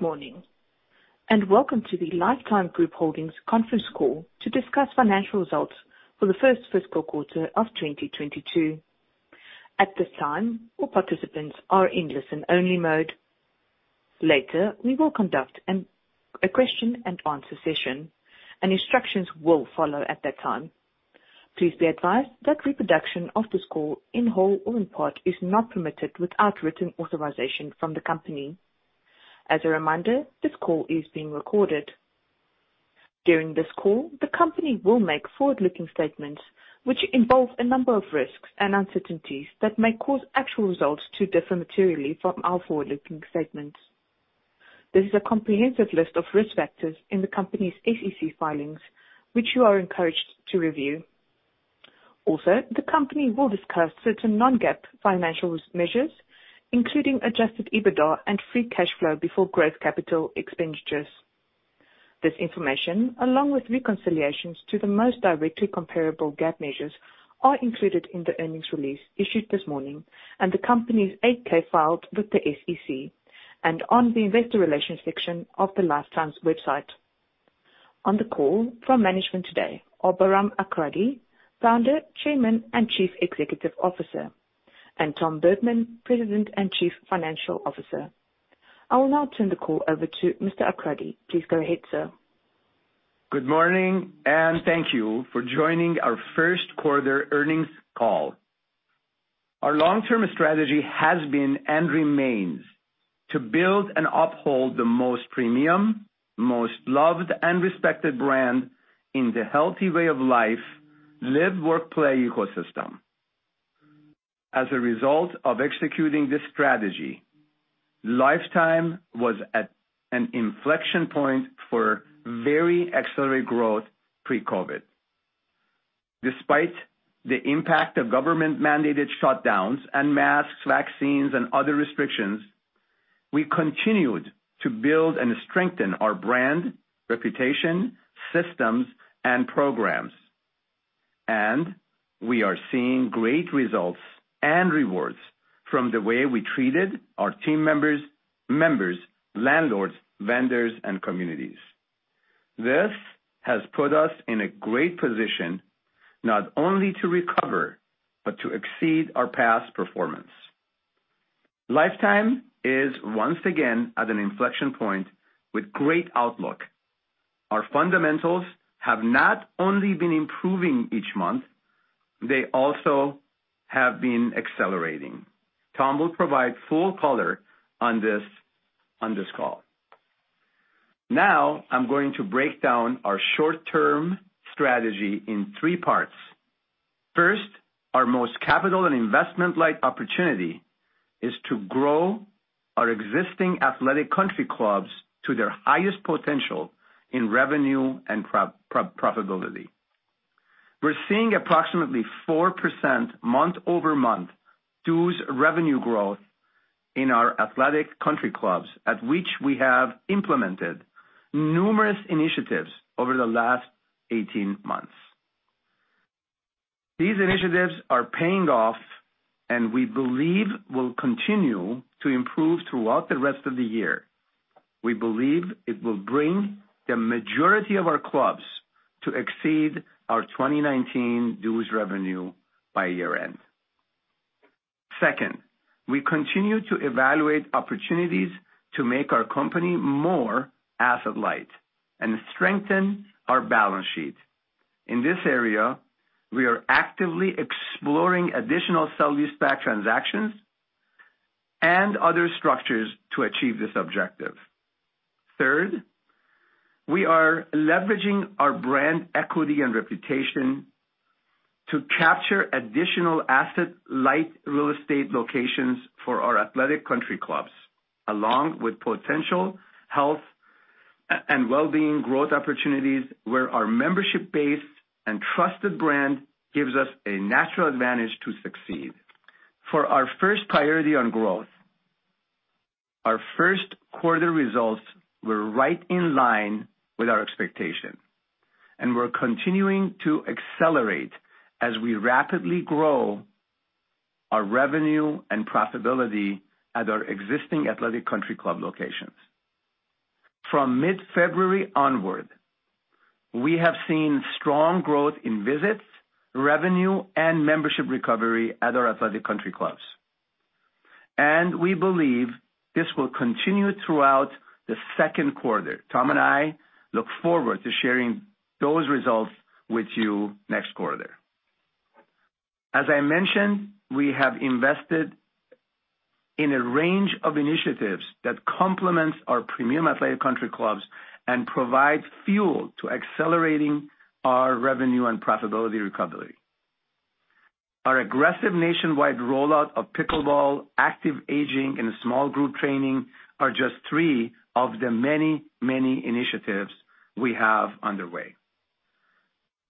Good morning, and welcome to the Life Time Group Holdings conference call to discuss financial results for the first fiscal quarter of 2022. At this time, all participants are in listen-only mode. Later, we will conduct a question and answer session, and instructions will follow at that time. Please be advised that reproduction of this call in whole or in part is not permitted without written authorization from the company. As a reminder, this call is being recorded. During this call, the company will make forward-looking statements which involve a number of risks and uncertainties that may cause actual results to differ materially from our forward-looking statements. There is a comprehensive list of risk factors in the company's SEC filings, which you are encouraged to review. Also, the company will discuss certain non-GAAP financial measures, including adjusted EBITDA and free cash flow before growth capital expenditures. This information, along with reconciliations to the most directly comparable GAAP measures are included in the earnings release issued this morning and the company's 8-K filed with the SEC and on the investor relations section of the Life Time's website. On the call from management today are Bahram Akradi, Founder, Chairman, and Chief Executive Officer, and Tom Bergmann, President and Chief Financial Officer. I will now turn the call over to Mr. Akradi. Please go ahead, sir. Good morning, and thank you for joining our Q1 earnings call. Our long-term strategy has been and remains to build and uphold the most premium, most loved and respected brand in the healthy way of life, live, work, play ecosystem. As a result of executing this strategy, Life Time was at an inflection point for very accelerated growth pre-COVID. Despite the impact of government-mandated shutdowns and masks, vaccines, and other restrictions, we continued to build and strengthen our brand, reputation, systems, and programs. We are seeing great results and rewards from the way we treated our team members, landlords, vendors, and communities. This has put us in a great position not only to recover, but to exceed our past performance. Life Time is once again at an inflection point with great outlook. Our fundamentals have not only been improving each month, they also have been accelerating. Tom will provide full color on this call. Now, I'm going to break down our short-term strategy in three parts. First, our most capital and investment-like opportunity is to grow our existing athletic country clubs to their highest potential in revenue and pro-profitability. We're seeing approximately 4% month-over-month dues revenue growth in our athletic country clubs at which we have implemented numerous initiatives over the last 18 months. These initiatives are paying off, and we believe will continue to improve throughout the rest of the year. We believe it will bring the majority of our clubs to exceed our 2019 dues revenue by year-end. Second, we continue to evaluate opportunities to make our company more asset light and strengthen our balance sheet. In this area, we are actively exploring additional sale-leaseback transactions and other structures to achieve this objective. Third, we are leveraging our brand equity and reputation to capture additional asset-light real estate locations for our athletic country clubs, along with potential health and well-being growth opportunities where our membership base and trusted brand gives us a natural advantage to succeed. For our first priority on growth, our Q1 results were right in line with our expectation, and we're continuing to accelerate as we rapidly grow our revenue and profitability at our existing athletic country club locations. From mid-February onward, we have seen strong growth in visits, revenue, and membership recovery at our athletic country clubs. We believe this will continue throughout the Q2. Tom and I look forward to sharing those results with you next quarter. As I mentioned, we have invested in a range of initiatives that complements our premium athletic country clubs and provide fuel to accelerating our revenue and profitability recovery. Our aggressive nationwide rollout of pickleball, active aging, and small group training are just three of the many, many initiatives we have underway.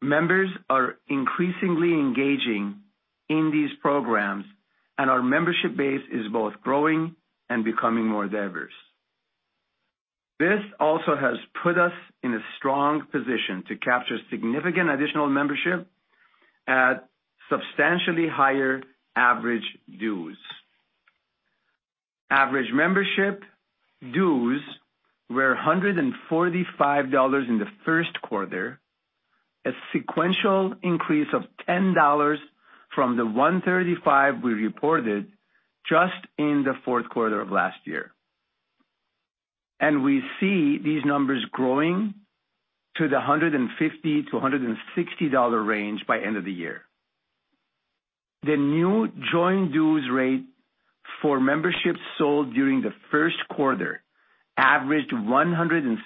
Members are increasingly engaging in these programs, and our membership base is both growing and becoming more diverse. This also has put us in a strong position to capture significant additional membership at substantially higher average dues. Average membership dues were $145 in the first Q1, a sequential increase of $10 from the $135 we reported just in the Q4 of last year. We see these numbers growing to the $150-$160 range by end of the year. The new join dues rate for memberships sold during the Q1 averaged $166,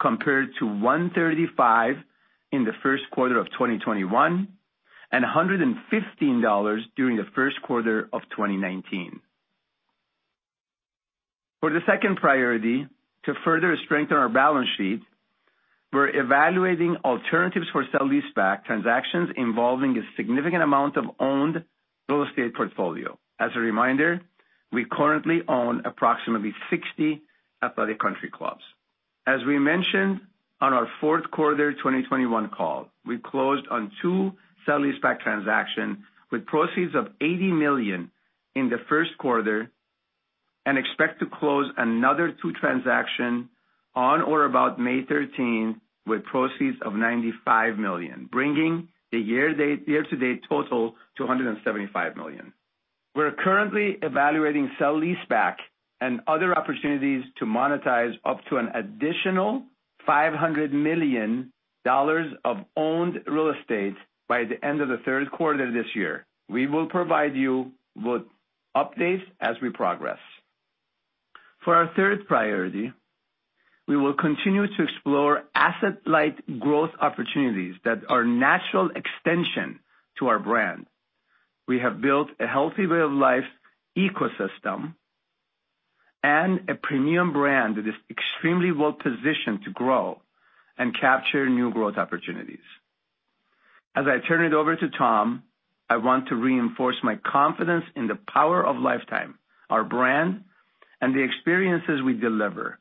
compared to $135 in the Q1 of 2021, and $115 during the first Q1 of 2019. For the second priority, to further strengthen our balance sheet, we're evaluating alternatives for sale-leaseback transactions involving a significant amount of owned real estate portfolio. As a reminder, we currently own approximately 60 athletic country clubs. As we mentioned on our Q4 2021 call, we closed on two sale-leaseback transactions with proceeds of $80 million in the first Q1 and expect to close another two transactions on or about May 13 with proceeds of $95 million, bringing the year-to-date total to $175 million. We're currently evaluating sale-leaseback and other opportunities to monetize up to an additional $500 million of owned real estate by the end of the Q3 this year. We will provide you with updates as we progress. For our third priority, we will continue to explore asset-light growth opportunities that are natural extension to our brand. We have built a healthy way of life ecosystem and a premium brand that is extremely well-positioned to grow and capture new growth opportunities. As I turn it over to Tom, I want to reinforce my confidence in the power of Life Time, our brand, and the experiences we deliver.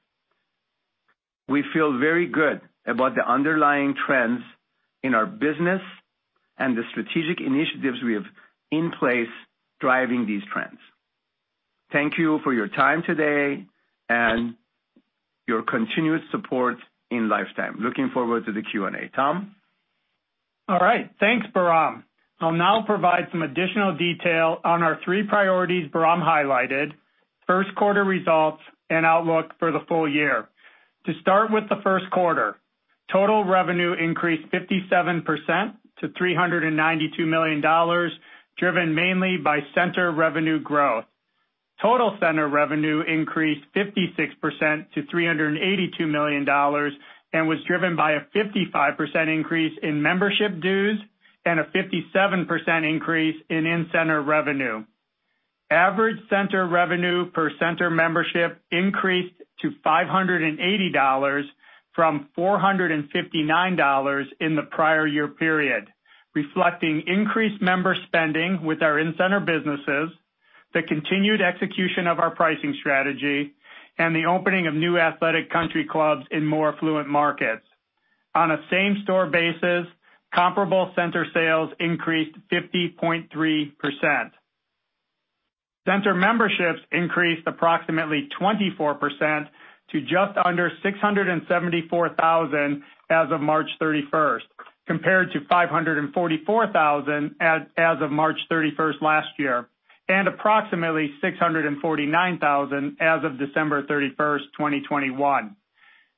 We feel very good about the underlying trends in our business and the strategic initiatives we have in place driving these trends. Thank you for your time today and your continuous support in Life Time. Looking forward to the Q&A. Tom? All right. Thanks, Bahram. I'll now provide some additional detail on our three priorities Bahram highlighted,Q1 results, and outlook for the full year. To start with the Q1, total revenue increased 57% to $392 million, driven mainly by center revenue growth. Total center revenue increased 56% to $382 million and was driven by a 55% increase in membership dues and a 57% increase in in-center revenue. Average center revenue per center membership increased to $580 from $459 in the prior year period, reflecting increased member spending with our in-center businesses, the continued execution of our pricing strategy, and the opening of new athletic country clubs in more affluent markets. On a same-store basis, comparable center sales increased 50.3%. Center memberships increased approximately 24% to just under 674,000 as of March 31, compared to 544,000 as of March 31 last year, and approximately 649,000 as of December 31, 2021.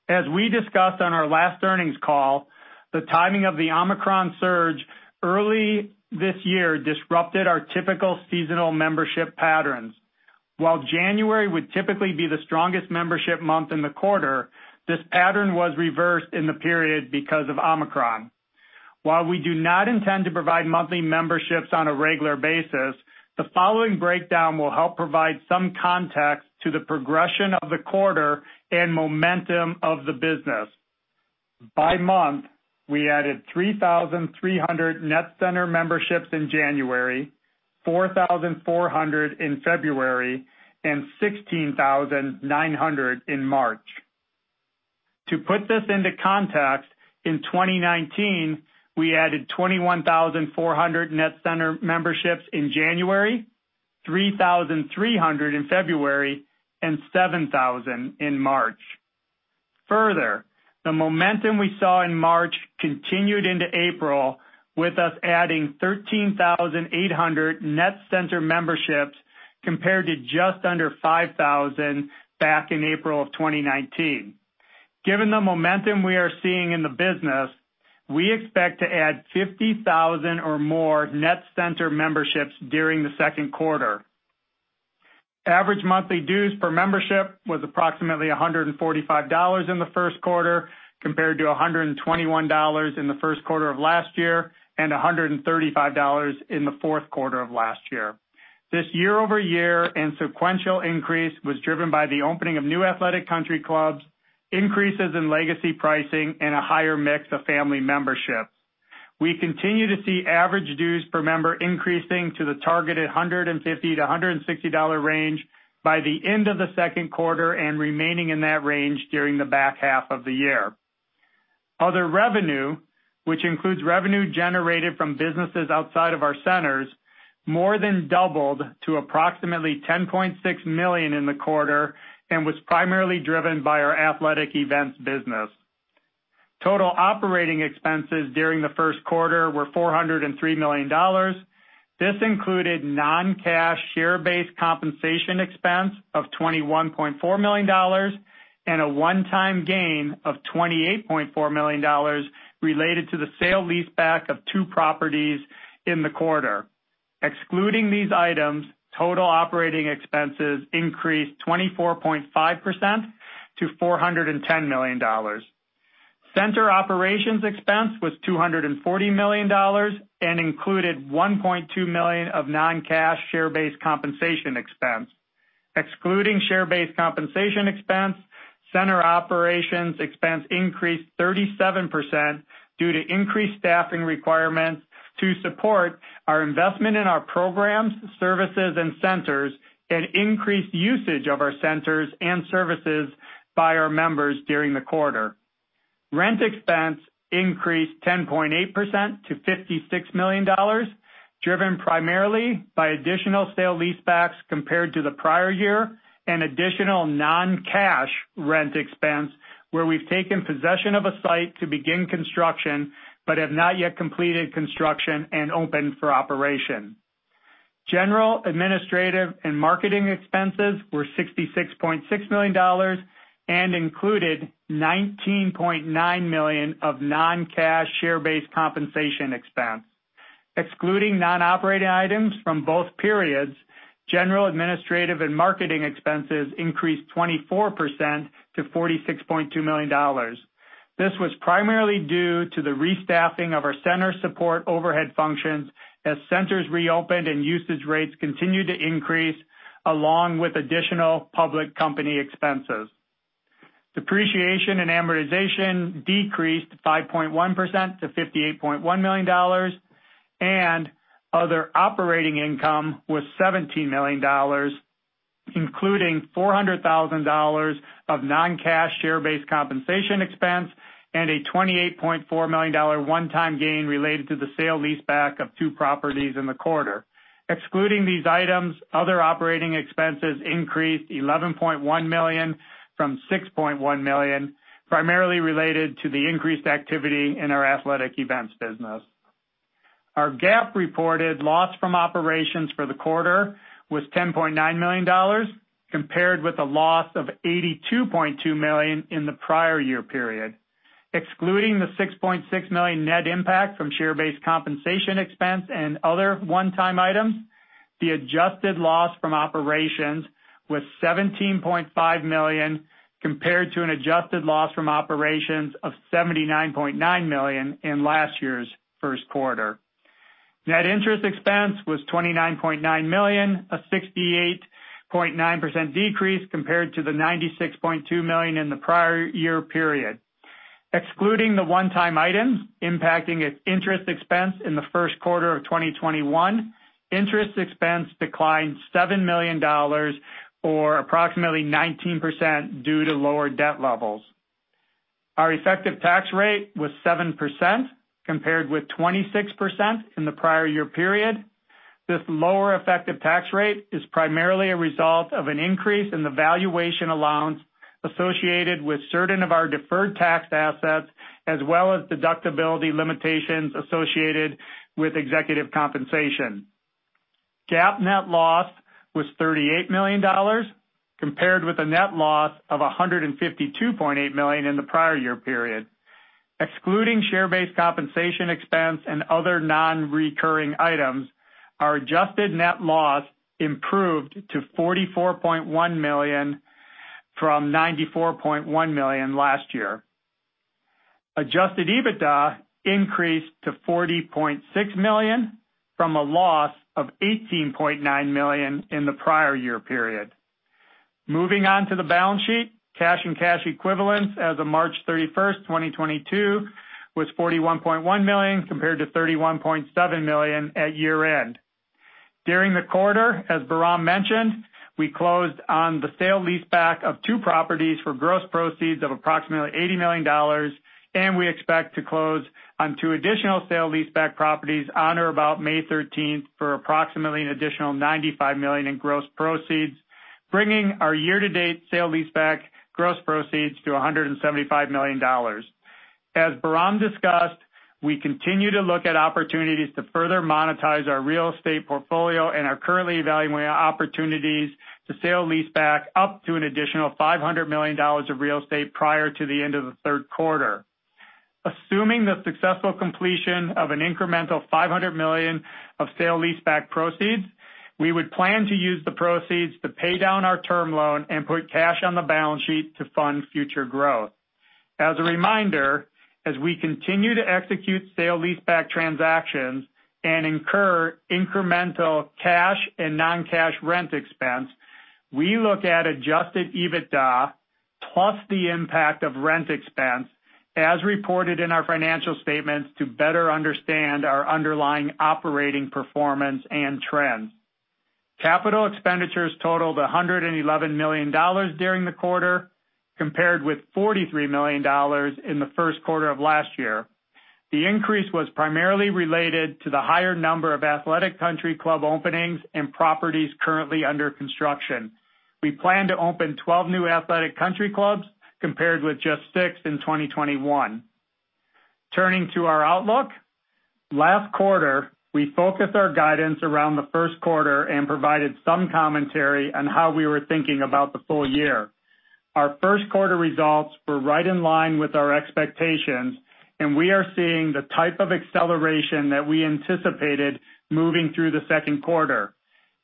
As we discussed on our last earnings call, the timing of the Omicron surge early this year disrupted our typical seasonal membership patterns. While January would typically be the strongest membership month in the quarter, this pattern was reversed in the period because of Omicron. While we do not intend to provide monthly memberships on a regular basis, the following breakdown will help provide some context to the progression of the quarter and momentum of the business. By month, we added 3,300 net center memberships in January, 4,400 in February, and 16,900 in March. To put this into context, in 2019, we added 21,400 net center memberships in January, 3,300 in February, and 7,000 in March. Further, the momentum we saw in March continued into April with us adding 13,800 net center memberships compared to just under 5,000 back in April of 2019. Given the momentum we are seeing in the business, we expect to add 50,000 or more net center memberships during the Q2. Average monthly dues per membership was approximately $145 in the Q1 compared to $121 in the Q1 of last year and $135 in the Q4 of last year. This year-over-year and sequential increase was driven by the opening of new athletic country clubs, increases in legacy pricing, and a higher mix of family memberships. We continue to see average dues per member increasing to the targeted $150-$160 range by the end of the Q2 and remaining in that range during the back half of the year. Other revenue, which includes revenue generated from businesses outside of our centers, more than doubled to approximately $10.6 million in the quarter and was primarily driven by our athletic events business. Total operating expenses during the Q1 were $403 million. This included non-cash share-based compensation expense of $21.4 million and a one-time gain of $28.4 million related to the sale-leaseback of two properties in the quarter. Excluding these items, total operating expenses increased 24.5% to $410 million. Center operations expense was $240 million and included $1.2 million of non-cash share-based compensation expense. Excluding share-based compensation expense, center operations expense increased 37% due to increased staffing requirements to support our investment in our programs, services and centers, and increased usage of our centers and services by our members during the quarter. Rent expense increased 10.8% to $56 million, driven primarily by additional sale-leasebacks compared to the prior year, and additional non-cash rent expense where we've taken possession of a site to begin construction but have not yet completed construction and opened for operation. General, administrative and marketing expenses were $66.6 million and included $19.9 million of non-cash share-based compensation expense. Excluding non-operating items from both periods, general, administrative, and marketing expenses increased 24% to $46.2 million. This was primarily due to the restaffing of our center support overhead functions as centers reopened and usage rates continued to increase, along with additional public company expenses. Depreciation and amortization decreased 5.1% to $58.1 million, and other operating income was $17 million, including $400,000 of non-cash share-based compensation expense and a $28.4 million one-time gain related to the sale-leaseback of two properties in the quarter. Excluding these items, other operating expenses increased $11.1 million from $6.1 million, primarily related to the increased activity in our athletic events business. Our GAAP reported loss from operations for the quarter was $10.9 million, compared with a loss of $82.2 million in the prior year period. Excluding the $6.6 million net impact from share-based compensation expense and other one-time items, the adjusted loss from operations was $17.5 million, compared to an adjusted loss from operations of $79.9 million in last year's Q1. Net interest expense was $29.9 million, a 68.9% decrease compared to the $96.2 million in the prior year period. Excluding the one-time items impacting its interest expense in the first Q1 of 2021, interest expense declined $7 million or approximately 19% due to lower debt levels. Our effective tax rate was 7%, compared with 26% in the prior year period. This lower effective tax rate is primarily a result of an increase in the valuation allowance associated with certain of our deferred tax assets, as well as deductibility limitations associated with executive compensation. GAAP net loss was $38 million, compared with a net loss of $152.8 million in the prior year period. Excluding share-based compensation expense and other non-recurring items, our adjusted net loss improved to $44.1 million from $94.1 million last year. Adjusted EBITDA increased to $40.6 million, from a loss of $18.9 million in the prior year period. Moving on to the balance sheet. Cash and cash equivalents as of March 31, 2022 was $41.1 million, compared to $31.7 million at year-end. During the quarter, as Bahram mentioned, we closed on the sale-leaseback of two properties for gross proceeds of approximately $80 million, and we expect to close on two additional sale-leaseback properties on or about May thirteenth for approximately an additional $95 million in gross proceeds, bringing our year-to-date sale-leaseback gross proceeds to $175 million. As Bahram discussed, we continue to look at opportunities to further monetize our real estate portfolio and are currently evaluating opportunities to sale-leaseback up to an additional $500 million of real estate prior to the end of the Q3. Assuming the successful completion of an incremental $500 million of sale-leaseback proceeds, we would plan to use the proceeds to pay down our term loan and put cash on the balance sheet to fund future growth. As a reminder, as we continue to execute sale-leaseback transactions and incur incremental cash and non-cash rent expense, we look at adjusted EBITDA plus the impact of rent expense as reported in our financial statements to better understand our underlying operating performance and trends. Capital expenditures totaled $111 million during the quarter, compared with $43 million in the Q1 of last year. The increase was primarily related to the higher number of athletic country club openings and properties currently under construction. We plan to open 12 new athletic country clubs, compared with just 6 in 2021. Turning to our outlook. Last quarter, we focused our guidance around the Q1 and provided some commentary on how we were thinking about the full year. Our Q1 results were right in line with our expectations, and we are seeing the type of acceleration that we anticipated moving through the Q2.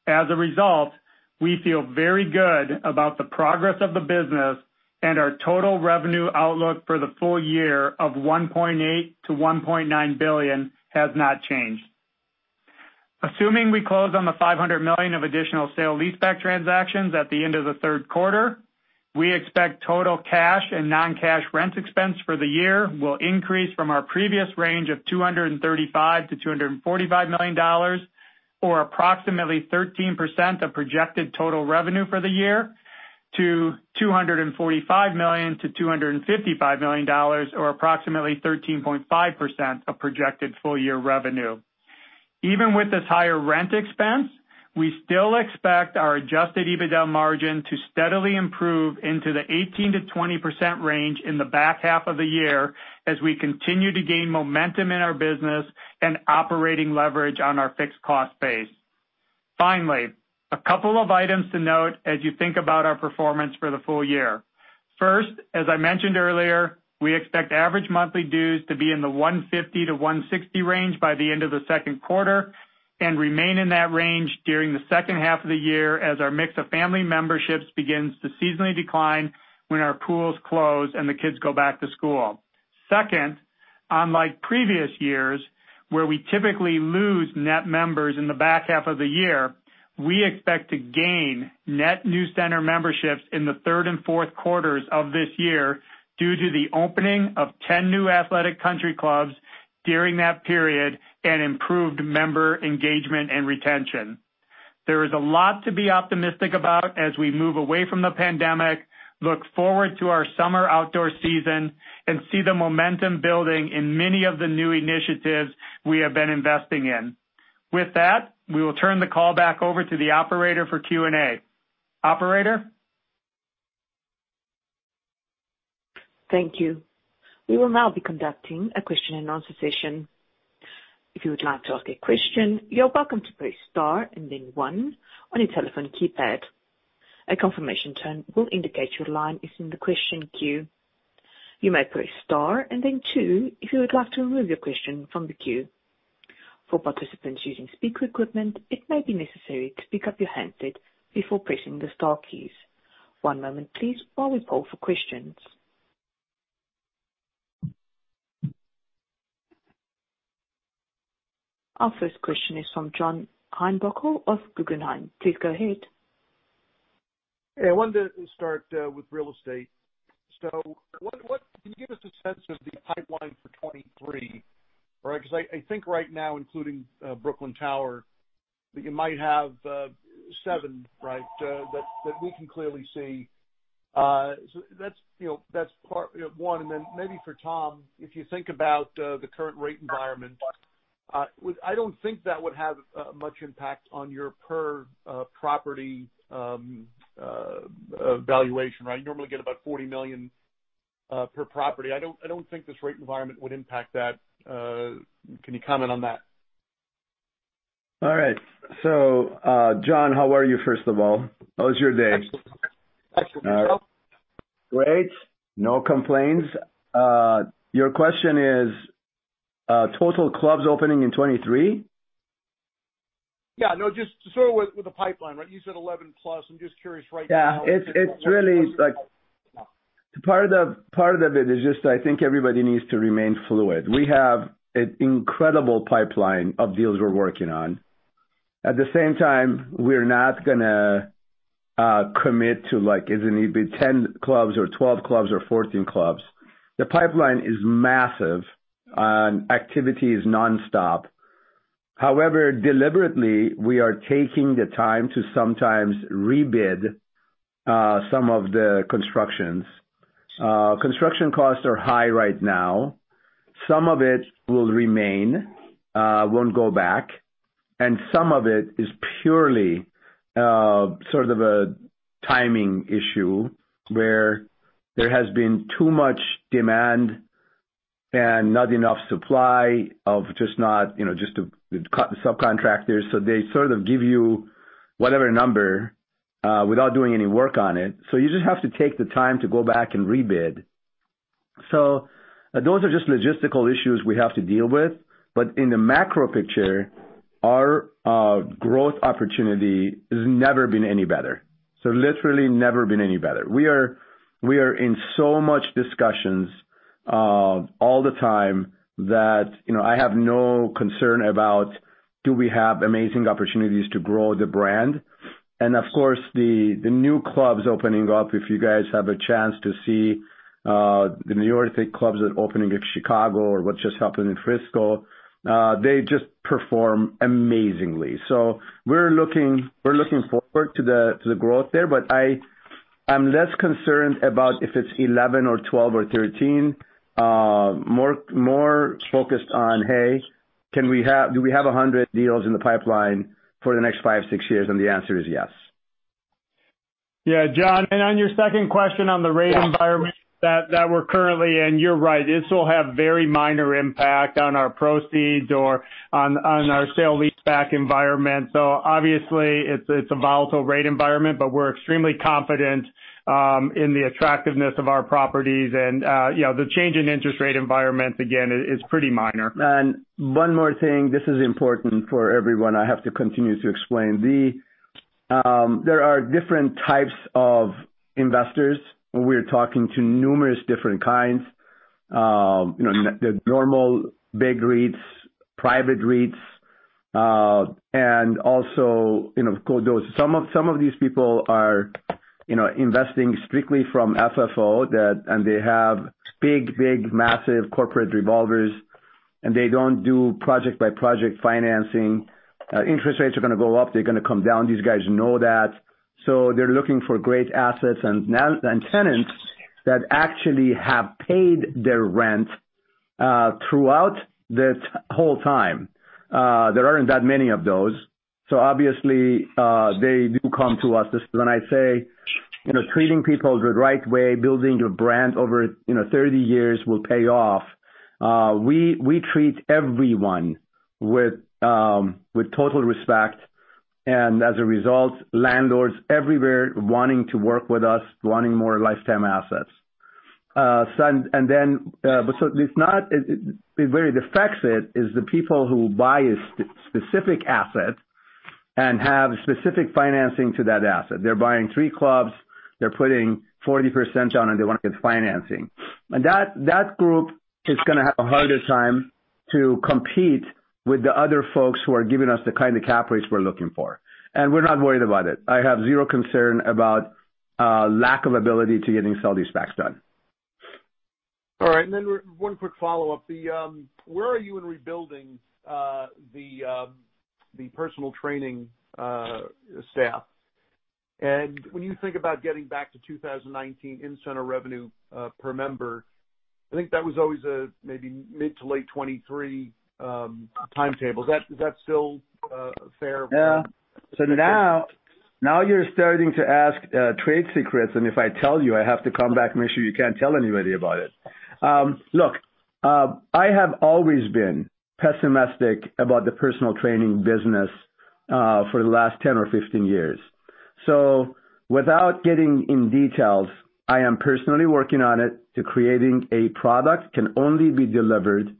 As a result, we feel very good about the progress of the business and our total revenue outlook for the full year of $1.8 billion-$1.9 billion has not changed. Assuming we close on the $500 million of additional sale-leaseback transactions at the end of the Q3, we expect total cash and non-cash rent expense for the year will increase from our previous range of $235 million-$245 million, or approximately 13% of projected total revenue for the year to $245 million-$255 million, or approximately 13.5% of projected full-year revenue. Even with this higher rent expense, we still expect our adjusted EBITDA margin to steadily improve into the 18%-20% range in the back half of the year as we continue to gain momentum in our business and operating leverage on our fixed cost base. Finally, a couple of items to note as you think about our performance for the full year. First, as I mentioned earlier, we expect average monthly dues to be in the $150-$160 range by the end of the Q2 and remain in that range during the second half of the year as our mix of family memberships begins to seasonally decline when our pools close and the kids go back to school. Second, unlike previous years, where we typically lose net members in the back half of the year, we expect to gain net new center memberships in the third and Q4 of this year due to the opening of 10 new Athletic Country Clubs during that period and improved member engagement and retention. There is a lot to be optimistic about as we move away from the pandemic, look forward to our summer outdoor season, and see the momentum building in many of the new initiatives we have been investing in. With that, we will turn the call back over to the operator for Q&A. Operator? Thank you. We will now be conducting a question and answer session. If you would like to ask a question, you're welcome to press star and then one on your telephone keypad. A confirmation tone will indicate your line is in the question queue. You may press star and then two if you would like to remove your question from the queue. For participants using speaker equipment, it may be necessary to pick up your handset before pressing the star keys. One moment please while we poll for questions. Our first question is from John Heinbockel of Guggenheim. Please go ahead. Hey, I wanted to start with real estate. What can you give us a sense of the pipeline for 2023? Right. Because I think right now, including Brooklyn Tower, that you might have seven, right, that we can clearly see. That's part one, and then maybe for Tom, if you think about the current rate environment, I don't think that would have much impact on your per property valuation, right? You normally get about $40 million per property. I don't think this rate environment would impact that. Can you comment on that? All right. John, how are you, first of all? How is your day? Excellent. Yourself? Great. No complaints. Your question is, total clubs opening in 2023? Yeah, no, just to start with the pipeline, right? You said 11+. I'm just curious right now. Yeah. It's really like part of it is just I think everybody needs to remain fluid. We have an incredible pipeline of deals we're working on. At the same time, we're not gonna commit to like is it gonna be 10 clubs or 12 clubs or 14 clubs. The pipeline is massive and activity is nonstop. However, deliberately, we are taking the time to sometimes rebid some of the constructions. Construction costs are high right now. Some of it will remain, won't go back, and some of it is purely sort of a timing issue where there has been too much demand and not enough supply of just, you know, just the subcontractors. They sort of give you whatever number without doing any work on it. You just have to take the time to go back and rebid. Those are just logistical issues we have to deal with. In the macro picture, our growth opportunity has never been any better. Literally never been any better. We are in so much discussions all the time that, you know, I have no concern about do we have amazing opportunities to grow the brand. Of course, the new clubs opening up, if you guys have a chance to see the New York clubs that are opening in Chicago or what just happened in Frisco, they just perform amazingly. We're looking forward to the growth there. I am less concerned about if it's 11 or 12 or 13, more focused on, hey, do we have 100 deals in the pipeline for the next Five, six years? The answer is yes. Yeah. John, and on your second question on the rate environment that we're currently in, you're right, this will have very minor impact on our proceeds or on our sale-leaseback environment. Obviously it's a volatile rate environment, but we're extremely confident in the attractiveness of our properties. You know, the change in interest rate environment, again, is pretty minor. One more thing. This is important for everyone. I have to continue to explain. There are different types of investors. We're talking to numerous different kinds. You know, the normal big REITs, private REITs, and also, you know, of course, those. Some of these people are, you know, investing strictly from FFO and they have big massive corporate revolvers, and they don't do project-by-project financing. Interest rates are gonna go up. They're gonna come down. These guys know that. So they're looking for great assets and tenants that actually have paid their rent throughout this whole time. There aren't that many of those. So obviously, they do come to us. When I say, you know, treating people the right way, building your brand over, you know, 30 years will pay off. We treat everyone with total respect, and as a result, landlords everywhere wanting to work with us, wanting more Life Time assets. Where it affects it is the people who buy a specific asset and have specific financing to that asset. They're buying three clubs, they're putting 40% down, and they wanna get the financing. That group is gonna have a harder time to compete with the other folks who are giving us the kind of cap rates we're looking for. We're not worried about it. I have zero concern about lack of ability to getting sale-leasebacks done. All right. One quick follow-up. Where are you in rebuilding the personal training staff? When you think about getting back to 2019 in-center revenue per member, I think that was always a maybe mid- to late 2023 timetable. Is that still fair? Yeah, now you're starting to ask trade secrets, and if I tell you, I have to come back and make sure you can't tell anybody about it. Look, I have always been pessimistic about the personal training business for the last 10 or 15 years. Without getting in details, I am personally working on it to creating a product can only be delivered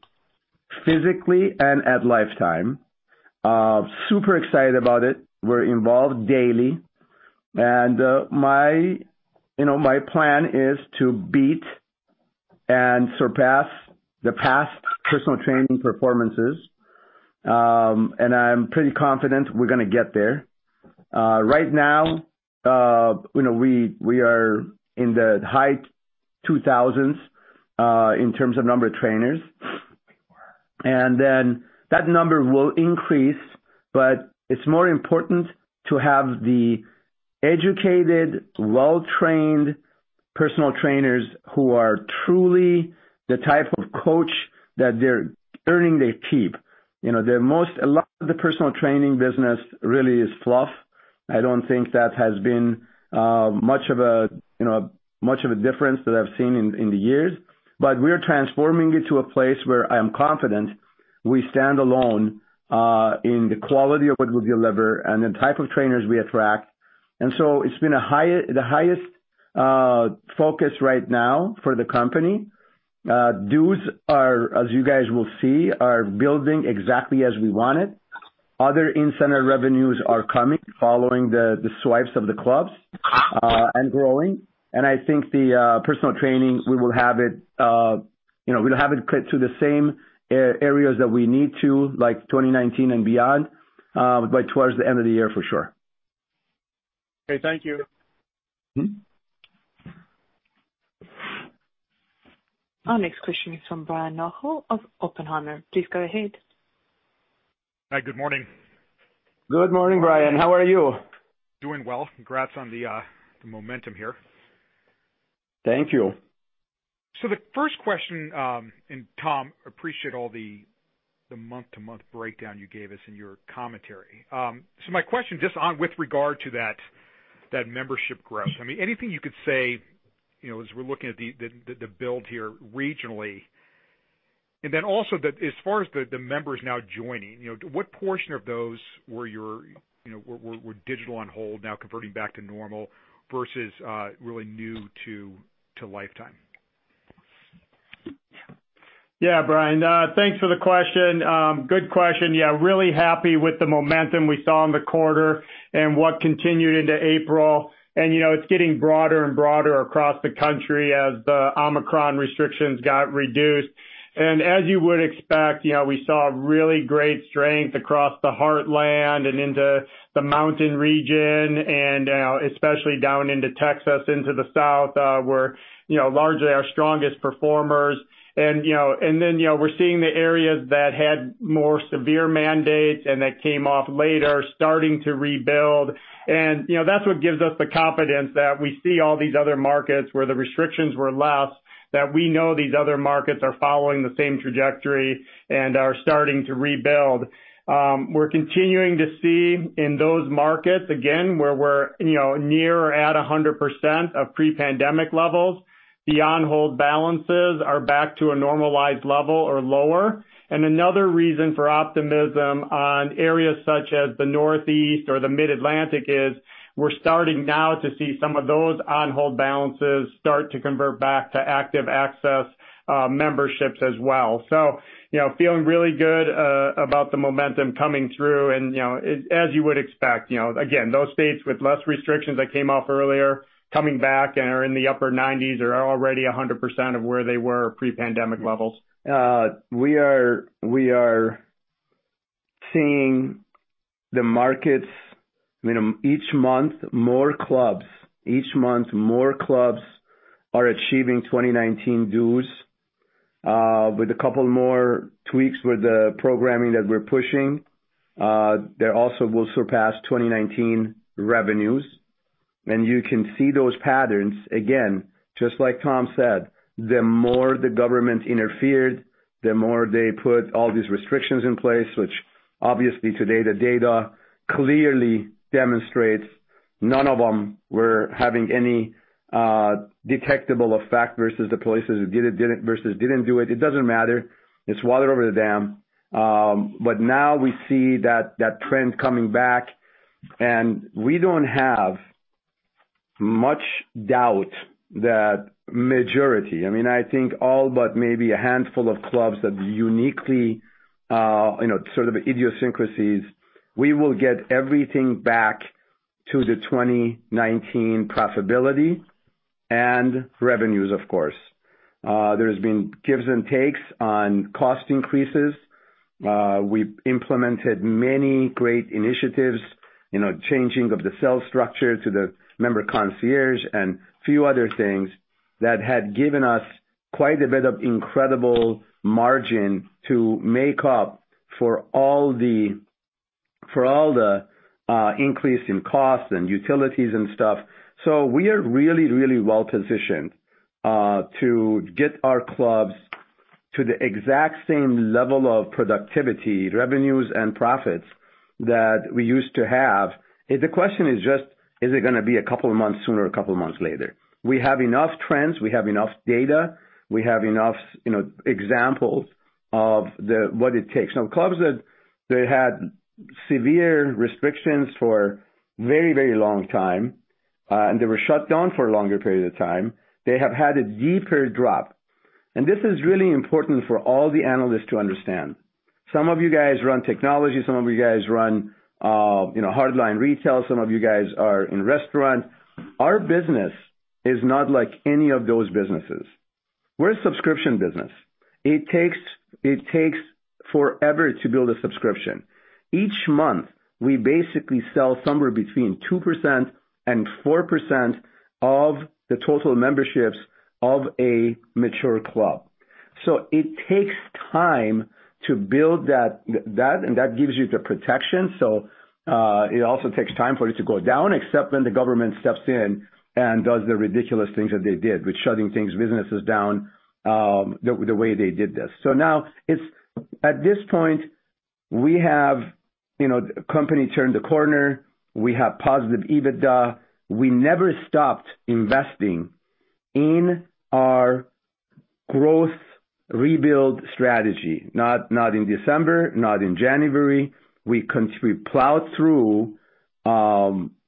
physically and at Life Time. Super excited about it. We're involved daily. My, you know, my plan is to beat and surpass the past personal training performances. I'm pretty confident we're gonna get there. Right now, you know, we are in the high 2,000s in terms of number of trainers. That number will increase, but it's more important to have the educated, well-trained personal trainers who are truly the type of coach that they're earning their keep. You know, a lot of the personal training business really is fluff. I don't think that has been much of a, you know, much of a difference that I've seen in the years. But we're transforming it to a place where I am confident we stand alone in the quality of what we deliver and the type of trainers we attract. And so it's been the highest focus right now for the company. Dues are, as you guys will see, building exactly as we wanted. Other in-center revenues are coming following the swipes of the clubs and growing. I think the personal training, we will have it, you know, we'll have it get to the same areas that we need to, like, 2019 and beyond, by, towards the end of the year for sure. Okay. Thank you. Mm-hmm. Our next question is from Brian Nagel of Oppenheimer. Please go ahead. Hi. Good morning. Good morning, Brian. How are you? Doing well. Congrats on the momentum here. Thank you. The first question, Tom, appreciate all the month-to-month breakdown you gave us in your commentary. My question just on with regard to that membership growth, I mean, anything you could say, you know, as we're looking at the build here regionally? Then also, as far as the members now joining, you know, what portion of those were your, you know, were digital on hold now converting back to normal versus really new to Life Time? Yeah, Brian, thanks for the question. Good question. Yeah, really happy with the momentum we saw in the quarter and what continued into April. You know, it's getting broader and broader across the country as the Omicron restrictions got reduced. As you would expect, you know, we saw really great strength across the Heartland and into the Mountain region, and, especially down into Texas, into the South, were, you know, largely our strongest performers. You know, and then, you know, we're seeing the areas that had more severe mandates and that came off later starting to rebuild. You know, that's what gives us the confidence that we see all these other markets where the restrictions were less, that we know these other markets are following the same trajectory and are starting to rebuild. We're continuing to see in those markets, again, where we're, you know, near or at 100% of pre-pandemic levels, the on-hold balances are back to a normalized level or lower. Another reason for optimism on areas such as the Northeast or the Mid-Atlantic is we're starting now to see some of those on-hold balances start to convert back to active access memberships as well. You know, feeling really good about the momentum coming through. You know, as you would expect, you know, again, those states with less restrictions that came off earlier coming back and are in the upper 90s% or are already 100% of where they were pre-pandemic levels. We are seeing the metrics. I mean, each month, more clubs are achieving 2019 dues. With a couple more tweaks with the programming that we're pushing, they also will surpass 2019 revenues. You can see those patterns. Again, just like Tom said, the more the government interfered, the more they put all these restrictions in place, which obviously today the data clearly demonstrates none of them were having any detectable effect versus the places did it versus didn't do it. It doesn't matter. It's water over the dam. Now we see that trend coming back, and we don't have much doubt that majority, I mean, I think all but maybe a handful of clubs that uniquely, you know, sort of idiosyncrasies, we will get everything back to the 2019 profitability and revenues, of course. There's been gives and takes on cost increases. We implemented many great initiatives, you know, changing of the sales structure to the member concierge and few other things that had given us quite a bit of incredible margin to make up for all the increase in costs and utilities and stuff. We are really well-positioned to get our clubs to the exact same level of productivity, revenues, and profits that we used to have. If the question is just, is it gonna be a couple of months sooner or a couple of months later? We have enough trends, we have enough data, we have enough, you know, examples of what it takes. Now, clubs that they had severe restrictions for very, very long time, and they were shut down for a longer period of time, they have had a deeper drop. This is really important for all the analysts to understand. Some of you guys run technology, some of you guys run, you know, hardline retail, some of you guys are in restaurants. Our business is not like any of those businesses. We're a subscription business. It takes forever to build a subscription. Each month, we basically sell somewhere between 2% and 4% of the total memberships of a mature club. It takes time to build that and that gives you the protection. It also takes time for it to go down, except when the government steps in and does the ridiculous things that they did with shutting things, businesses down, the way they did this. At this point, we have, you know, company turned the corner. We have positive EBITDA. We never stopped investing in our growth rebuild strategy. Not in December, not in January. We plowed through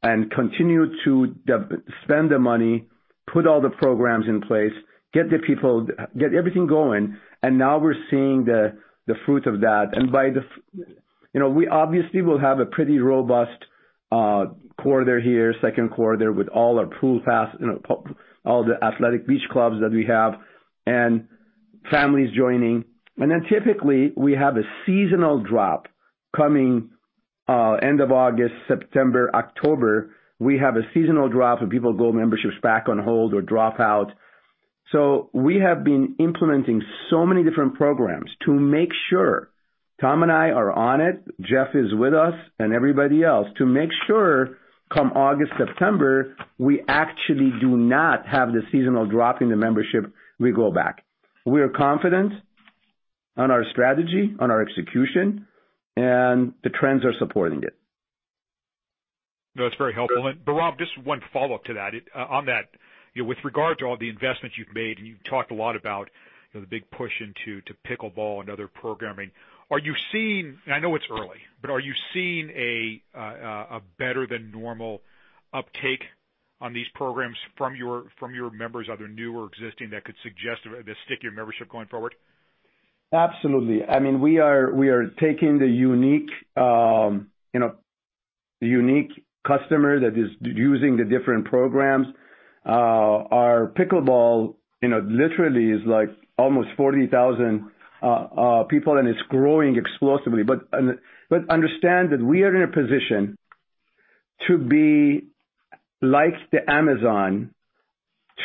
and continued to spend the money, put all the programs in place, get the people, get everything going, and now we're seeing the fruits of that. You know, we obviously will have a pretty robust quarter here, Q2, with all our pool pass, you know, all the athletic beach clubs that we have and families joining. Typically, we have a seasonal drop coming end of August, September, October. We have a seasonal drop and people put memberships back on hold or drop out. We have been implementing so many different programs to make sure Tom and I are on it, Jeff is with us, and everybody else, to make sure come August, September, we actually do not have the seasonal drop in the membership, we grow. We are confident on our strategy, on our execution, and the trends are supporting it. No, that's very helpful. Bahram, just one follow-up to that. On that, you know, with regard to all the investments you've made, and you've talked a lot about, you know, the big push into pickleball and other programming. Are you seeing. I know it's early, but are you seeing a better than normal uptake? On these programs from your members, either new or existing, that could suggest the stickier membership going forward? Absolutely. I mean, we are taking the unique, you know, the unique customer that is using the different programs. Our pickleball, you know, literally is like almost 40,000 people, and it's growing explosively. But understand that we are in a position to be like the Amazon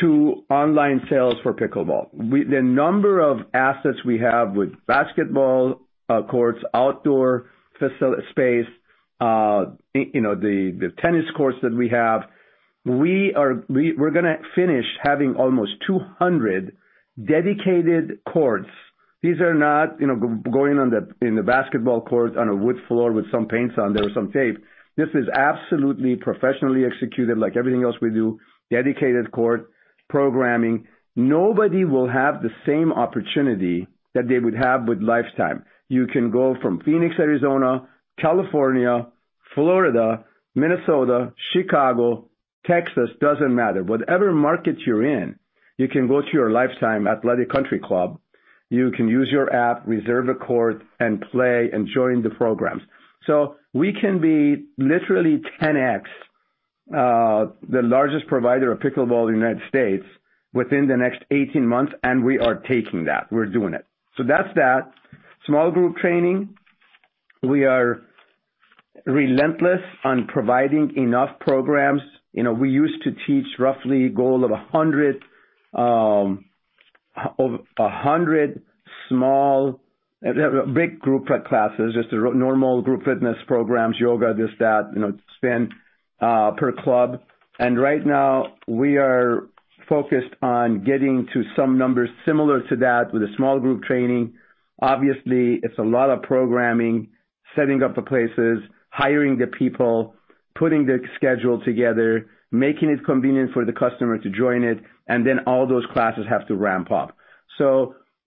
to online sales for pickleball. The number of assets we have with basketball courts, outdoor space, you know, the tennis courts that we have. We're gonna finish having almost 200 dedicated courts. These are not, you know, going on the, in the basketball courts on a wood floor with some paints on there or some tape. This is absolutely professionally executed like everything else we do, dedicated court programming. Nobody will have the same opportunity that they would have with Life Time. You can go from Phoenix, Arizona, California, Florida, Minnesota, Chicago, Texas, doesn't matter. Whatever market you're in, you can go to your Life Time athletic country club, you can use your app, reserve a court, and play and join the programs. We can be literally 10x the largest provider of pickleball in the United States within the next 18 months, and we are taking that. We're doing it. That's that. Small group training. We are relentless on providing enough programs. You know, we used to teach roughly a goal of 100 big group classes, just normal group fitness programs, yoga, this, that, you know, spin per club. Right now we are focused on getting to some numbers similar to that with small group training. Obviously, it's a lot of programming, setting up the places, hiring the people, putting the schedule together, making it convenient for the customer to join it, and then all those classes have to ramp up.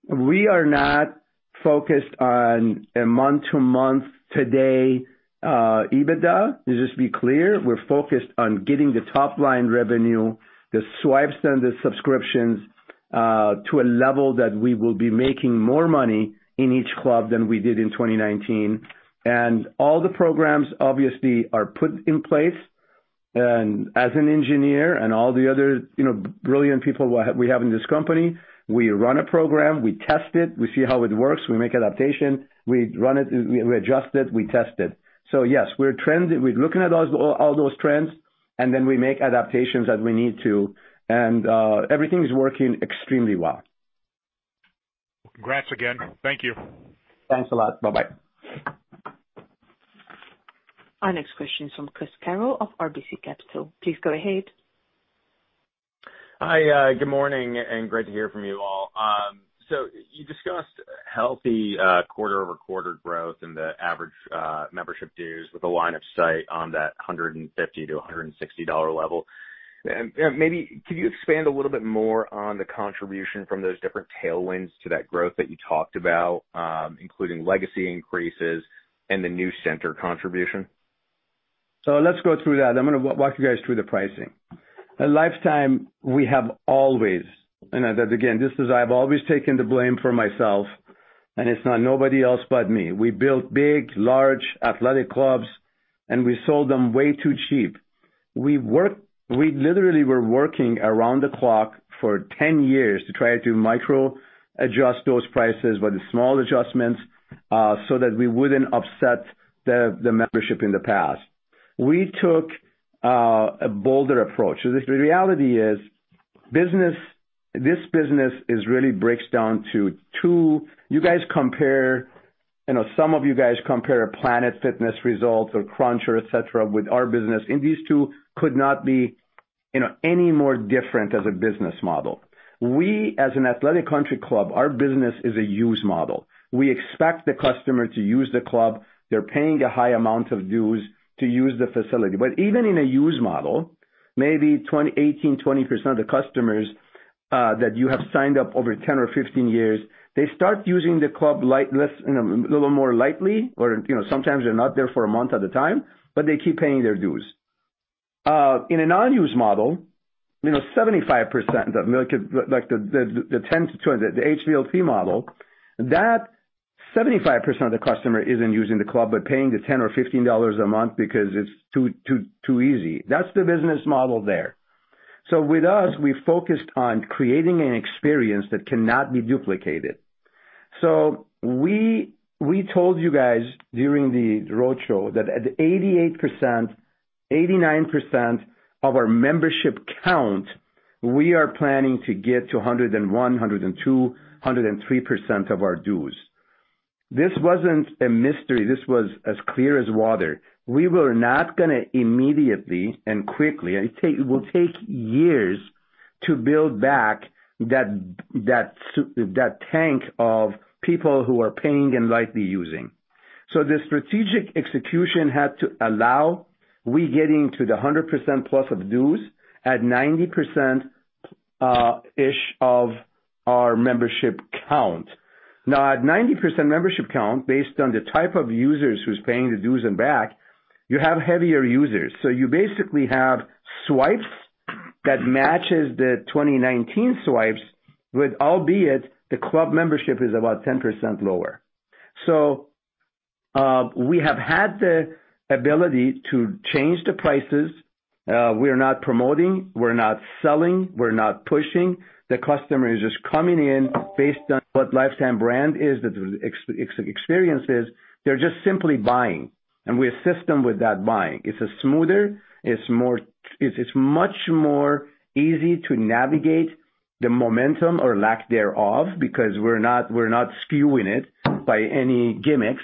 We are not focused on a month-to-month today, EBITDA, to just be clear. We're focused on getting the top-line revenue, the swipes and the subscriptions, to a level that we will be making more money in each club than we did in 2019. All the programs obviously are put in place. As an engineer and all the other, you know, brilliant people we have in this company, we run a program, we test it, we see how it works, we make adaptation, we run it, we adjust it, we test it. Yes, we're trend. We're looking at all those trends, and then we make adaptations as we need to, and everything is working extremely well. Congrats again. Thank you. Thanks a lot. Bye-bye. Our next question is from Chris Carril of RBC Capital. Please go ahead. Hi, good morning, and great to hear from you all. You discussed healthy quarter-over-quarter growth in the average membership dues with a line of sight on that $150-$160 level. Maybe could you expand a little bit more on the contribution from those different tailwinds to that growth that you talked about, including legacy increases and the new center contribution? Let's go through that. I'm gonna walk you guys through the pricing. At Life Time, we have always, and again, I've always taken the blame for myself, and it's not nobody else but me. We built big, large athletic clubs, and we sold them way too cheap. We literally were working around the clock for 10 years to try to micro-adjust those prices by the small adjustments, so that we wouldn't upset the membership in the past. We took a bolder approach. The reality is this business really breaks down to two. You guys compare, you know, some of you guys compare Planet Fitness results or Crunch or etcetera with our business, and these two could not be, you know, any more different as a business model. We as an athletic country club, our business is a use model. We expect the customer to use the club. They're paying a high amount of dues to use the facility. Even in a use model, maybe 18%-20% of the customers that you have signed up over 10 or 15 years, they start using the club less lightly, you know, a little more lightly or, you know, sometimes they're not there for a month at a time, but they keep paying their dues. In a non-use model, you know, 75% of the 10-20, the HVLP model, that 75% of the customer isn't using the club, but paying the $10 or $15 a month because it's too easy. That's the business model there. With us, we focused on creating an experience that cannot be duplicated. We told you guys during the roadshow that at 88%, 89% of our membership count, we are planning to get to 101, 102, 103% of our dues. This wasn't a mystery. This was as clear as water. We were not gonna immediately and quickly. It will take years to build back that tank of people who are paying and lightly using. The strategic execution had to allow we getting to the 100% plus of dues at 90% ish of our membership count. Now at 90% membership count, based on the type of users who's paying the dues and back, you have heavier users. You basically have swipes that matches the 2019 swipes with albeit the club membership is about 10% lower. We have had the ability to change the prices. We're not promoting, we're not selling, we're not pushing. The customer is just coming in based on what Life Time brand is, the experiences. They're just simply buying, and we assist them with that buying. It's smoother, more. It's much more easy to navigate the momentum or lack thereof because we're not skewing it by any gimmicks.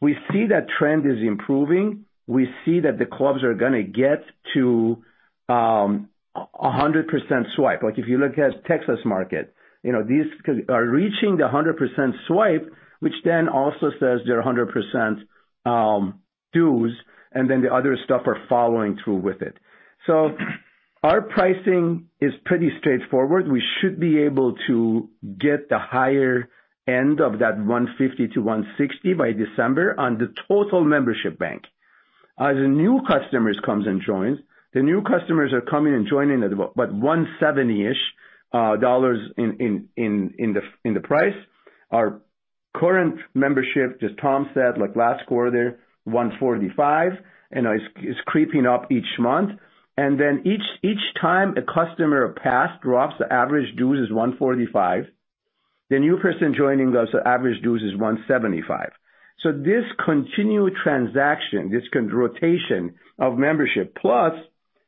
We see that trend is improving. We see that the clubs are gonna get to 100% swipe. Like if you look at Texas market, you know, these are reaching the 100% swipe, which then also says they're 100% dues and then the other stuff are following through with it. Our pricing is pretty straightforward. We should be able to get the higher end of that 150-160 by December on the total membership base. As new customers comes and joins, the new customers are coming and joining at about 170-ish dollars in the price. Our current membership, as Tom said, like last quarter, 145, and it's creeping up each month. Then each time a customer pass drops, the average dues is 145. The new person joining us, the average dues is 175. So this continued transaction, this rotation of membership plus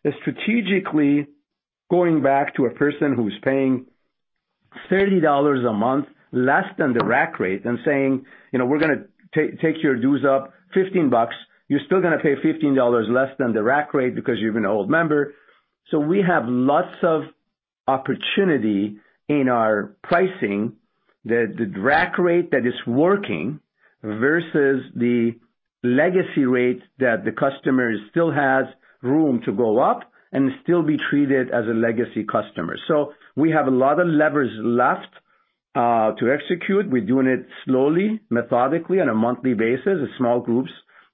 is strategically going back to a person who's paying $30 a month less than the rack rate and saying, "You know, we're gonna take your dues up $15 bucks. You're still gonna pay $15 less than the rack rate because you're an old member." We have lots of opportunity in our pricing that the rack rate that is working versus the legacy rates that the customer still has room to go up and still be treated as a legacy customer. We have a lot of levers left to execute. We're doing it slowly, methodically on a monthly basis, as small groups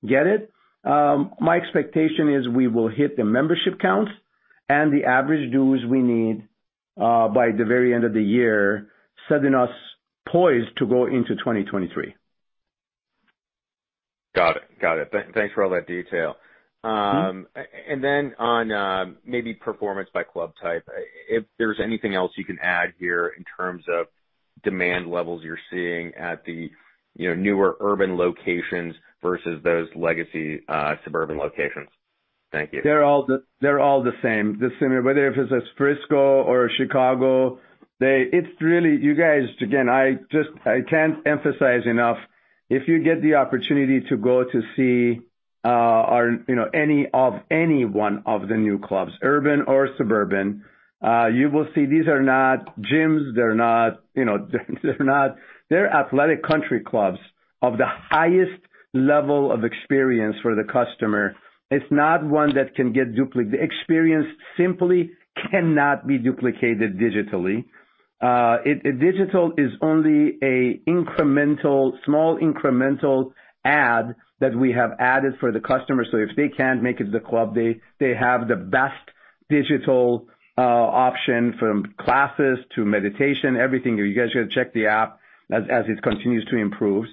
get it. My expectation is we will hit the membership counts and the average dues we need by the very end of the year, setting us poised to go into 2023. Got it. Thanks for all that detail. And then on, maybe performance by club type, if there's anything else you can add here in terms of demand levels you're seeing at the, you know, newer urban locations versus those legacy suburban locations. Thank you. They're all the same. The same, whether if it's a Frisco or a Chicago. It's really, you guys, again, I can't emphasize enough, if you get the opportunity to go to see our any one of the new clubs, urban or suburban, you will see these are not gyms. They're not. They're athletic country clubs of the highest level of experience for the customer. It's not one that can get duplic the experience simply cannot be duplicated digitally. Digital is only a incremental, small incremental add that we have added for the customer. So if they can't make it to the club, they have the best digital option from classes to meditation, everything. You guys should check the app as it continues to improve.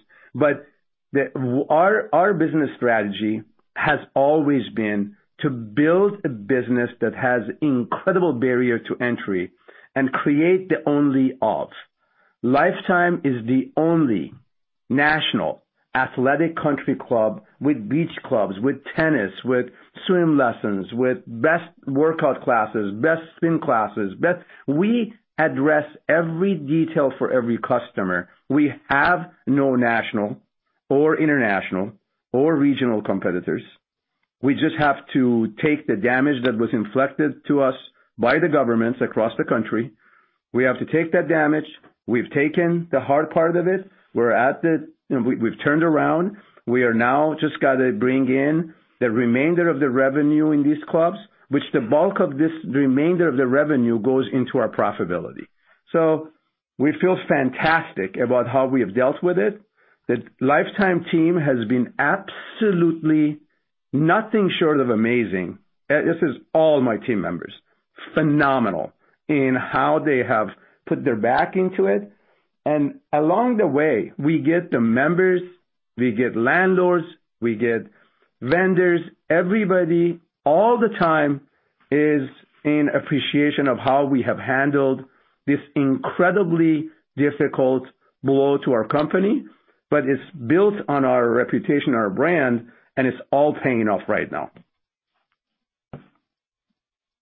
Our business strategy has always been to build a business that has incredible barrier to entry and create the only of. Life Time is the only national athletic country club with Beach Clubs, with tennis, with swim lessons, with best workout classes, best spin classes, best. We address every detail for every customer. We have no national or international or regional competitors. We just have to take the damage that was inflicted to us by the governments across the country. We have to take that damage. We've taken the hard part of it. You know, we've turned around. We are now just gotta bring in the remainder of the revenue in these clubs, which the bulk of this remainder of the revenue goes into our profitability. We feel fantastic about how we have dealt with it. The Life Time team has been absolutely nothing short of amazing. This is all my team members. Phenomenal in how they have put their back into it. Along the way, we get the members, we get landlords, we get vendors. Everybody all the time is in appreciation of how we have handled this incredibly difficult blow to our company, but it's built on our reputation, our brand, and it's all paying off right now.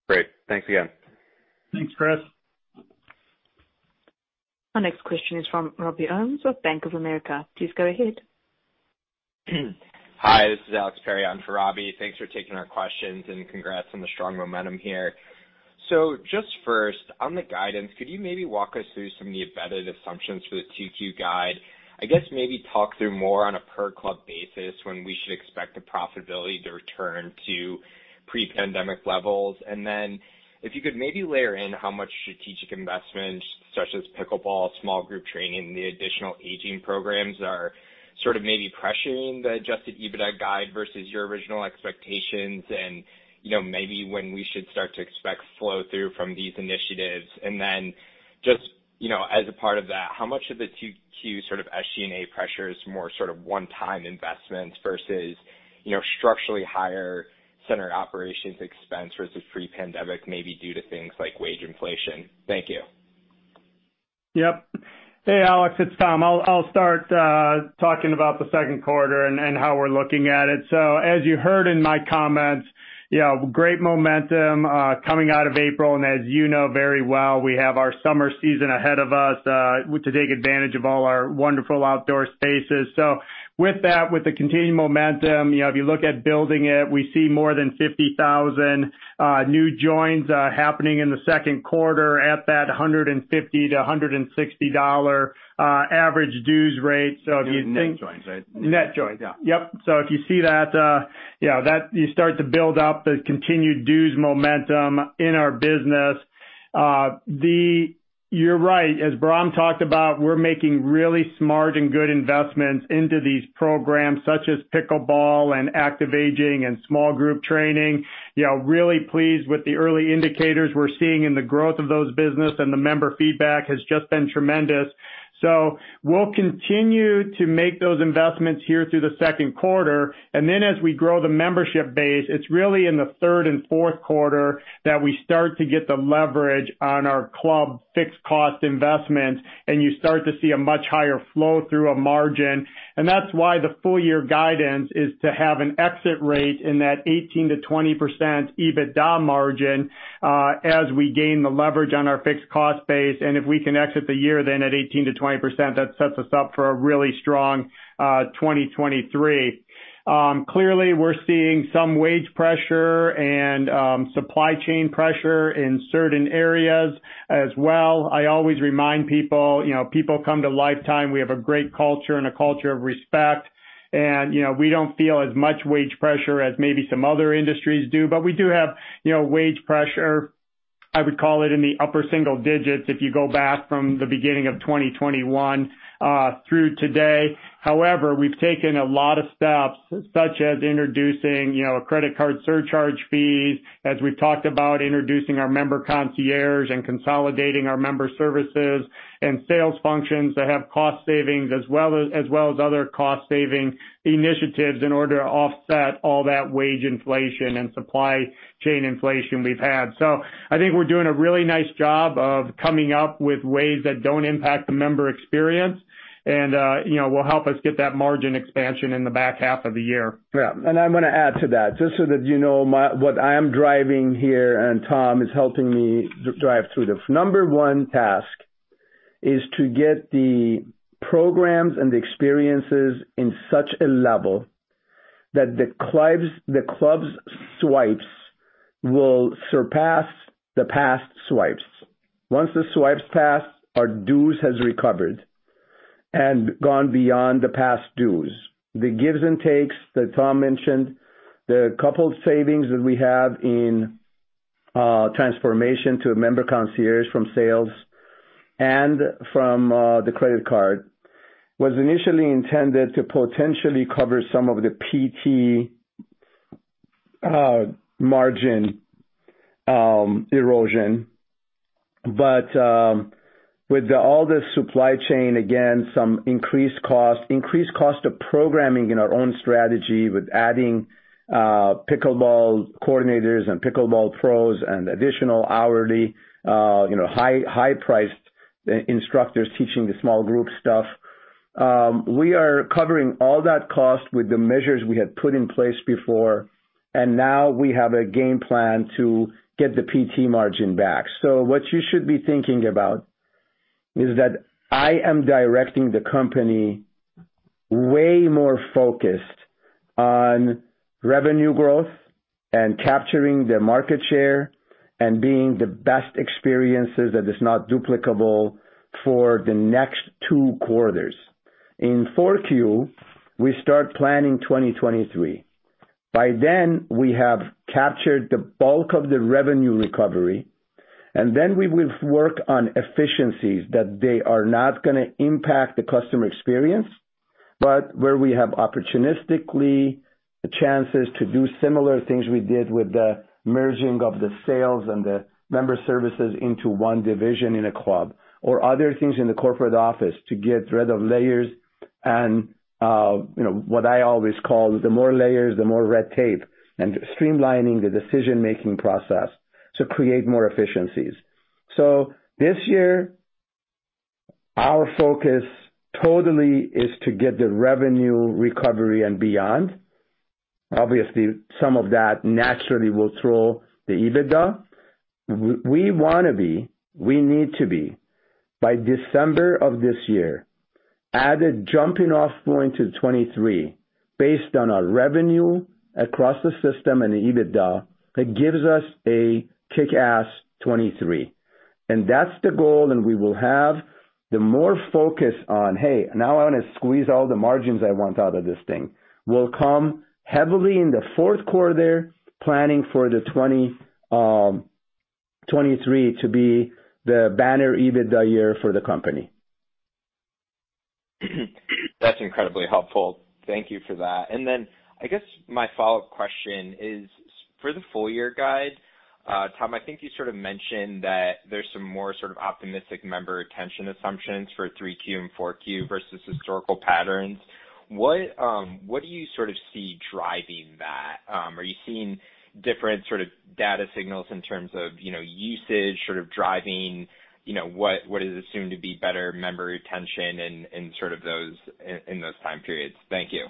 Great. Thanks again. Thanks, Chris. Our next question is from Robbie Ohmes with Bank of America. Please go ahead. Hi, this is Alex Perry on for Robbie. Thanks for taking our questions and congrats on the strong momentum here. Just first, on the guidance, could you maybe walk us through some of the embedded assumptions for the Q2 guide? I guess maybe talk through more on a per club basis when we should expect the profitability to return to pre-pandemic levels. Then if you could maybe layer in how much strategic investments such as pickleball, small group training, the active aging programs are sort of maybe pressuring the adjusted EBITDA guide versus your original expectations and, you know, maybe when we should start to expect flow through from these initiatives. Just, you know, as a part of that, how much of the Q2 sort of SG&A pressure is more sort of one-time investments versus, you know, structurally higher center operations expense versus pre-pandemic, maybe due to things like wage inflation? Thank you. Yep. Hey, Alex, it's Tom. I'll start talking about the Q2 and how we're looking at it. As you heard in my comments, yeah, great momentum coming out of April. As you know very well, we have our summer season ahead of us to take advantage of all our wonderful outdoor spaces. With that, with the continued momentum, you know, if you look at building it, we see more than 50,000 new joins happening in the Q2 at that $150-$160 average dues rate. If you think Net joins, right? Net joins. Yeah. If you see that you start to build up the continued dues momentum in our business. You're right, as Bahram talked about, we're making really smart and good investments into these programs such as pickleball and active aging and small group training. You know, really pleased with the early indicators we're seeing in the growth of those business, and the member feedback has just been tremendous. We'll continue to make those investments here through the Q2. As we grow the membership base, it's really in the third and Q4 that we start to get the leverage on our club fixed cost investments, and you start to see a much higher flow through a margin. That's why the full year guidance is to have an exit rate in that 18%-20% EBITDA margin, as we gain the leverage on our fixed cost base. If we can exit the year then at 18%-20%, that sets us up for a really strong 2023. Clearly we're seeing some wage pressure and supply chain pressure in certain areas as well. I always remind people, you know, people come to Life Time, we have a great culture and a culture of respect. You know, we don't feel as much wage pressure as maybe some other industries do, but we do have, you know, wage pressure, I would call it, in the upper single digits if you go back from the beginning of 2021 through today. However, we've taken a lot of steps, such as introducing, you know, credit card surcharge fees, as we've talked about introducing our member concierge and consolidating our member services and sales functions that have cost savings, as well as other cost-saving initiatives in order to offset all that wage inflation and supply chain inflation we've had. I think we're doing a really nice job of coming up with ways that don't impact the member experience and, you know, will help us get that margin expansion in the back half of the year. Yeah. I'm gonna add to that. Just so that you know what I am driving here, and Tom is helping me drive through. The number one task is to get the programs and the experiences in such a level that the club's swipes will surpass the past swipes. Once the swipes pass, our dues has recovered and gone beyond the past dues. The gives and takes that Tom mentioned, the coupled savings that we have in transformation to a member concierge from sales and from the credit card was initially intended to potentially cover some of the PT margin erosion. With all the supply chain, again, some increased cost of programming in our own strategy with adding pickleball coordinators and pickleball pros and additional hourly high-priced instructors teaching the small group stuff. We are covering all that cost with the measures we had put in place before, and now we have a game plan to get the PT margin back. What you should be thinking about is that I am directing the company way more focused on revenue growth and capturing the market share and being the best experiences that is not duplicable for the next two quarters. In fourth Q, we start planning 2023. By then, we have captured the bulk of the revenue recovery, and then we will work on efficiencies that they are not gonna impact the customer experience, but where we have opportunistically chances to do similar things we did with the merging of the sales and the member services into one division in a club. Other things in the corporate office to get rid of layers and, you know, what I always call the more layers, the more red tape, and streamlining the decision-making process to create more efficiencies. This year, our focus totally is to get the revenue recovery and beyond. Obviously, some of that naturally will throw the EBITDA. We wanna be, we need to be, by December of this year, at a jumping-off point to 2023 based on our revenue across the system and the EBITDA that gives us a kick-ass 2023. That's the goal, and we will have the more focus on, hey, now I wanna squeeze all the margins I want out of this thing, will come heavily in the Q4, planning for the 2023 to be the banner EBITDA year for the company. That's incredibly helpful. Thank you for that. I guess my follow-up question is, for the full year guide, Tom, I think you sort of mentioned that there's some more sort of optimistic member retention assumptions for 3Q and 4Q versus historical patterns. What do you sort of see driving that? Are you seeing different sort of data signals in terms of, you know, usage sort of driving, you know, what is assumed to be better member retention in those time periods? Thank you.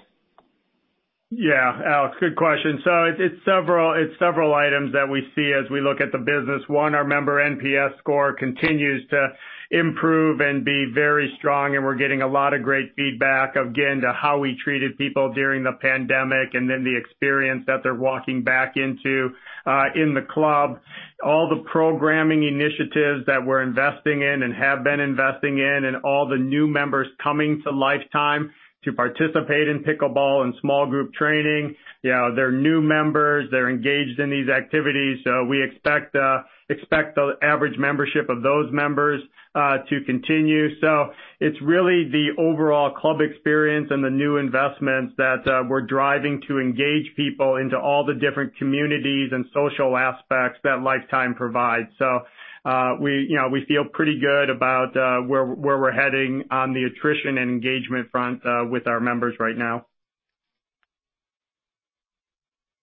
Yeah. Alex, good question. It's several items that we see as we look at the business. One, our member NPS score continues to improve and be very strong, and we're getting a lot of great feedback on, again, to how we treated people during the pandemic and then the experience that they're walking back into in the club. All the programming initiatives that we're investing in and have been investing in, and all the new members coming to Life Time to participate in pickleball and small group training. You know, they're new members, they're engaged in these activities, so we expect the average membership of those members to continue. It's really the overall club experience and the new investments that we're driving to engage people into all the different communities and social aspects that Life Time provides. We feel pretty good about where we're heading on the attrition and engagement front with our members right now.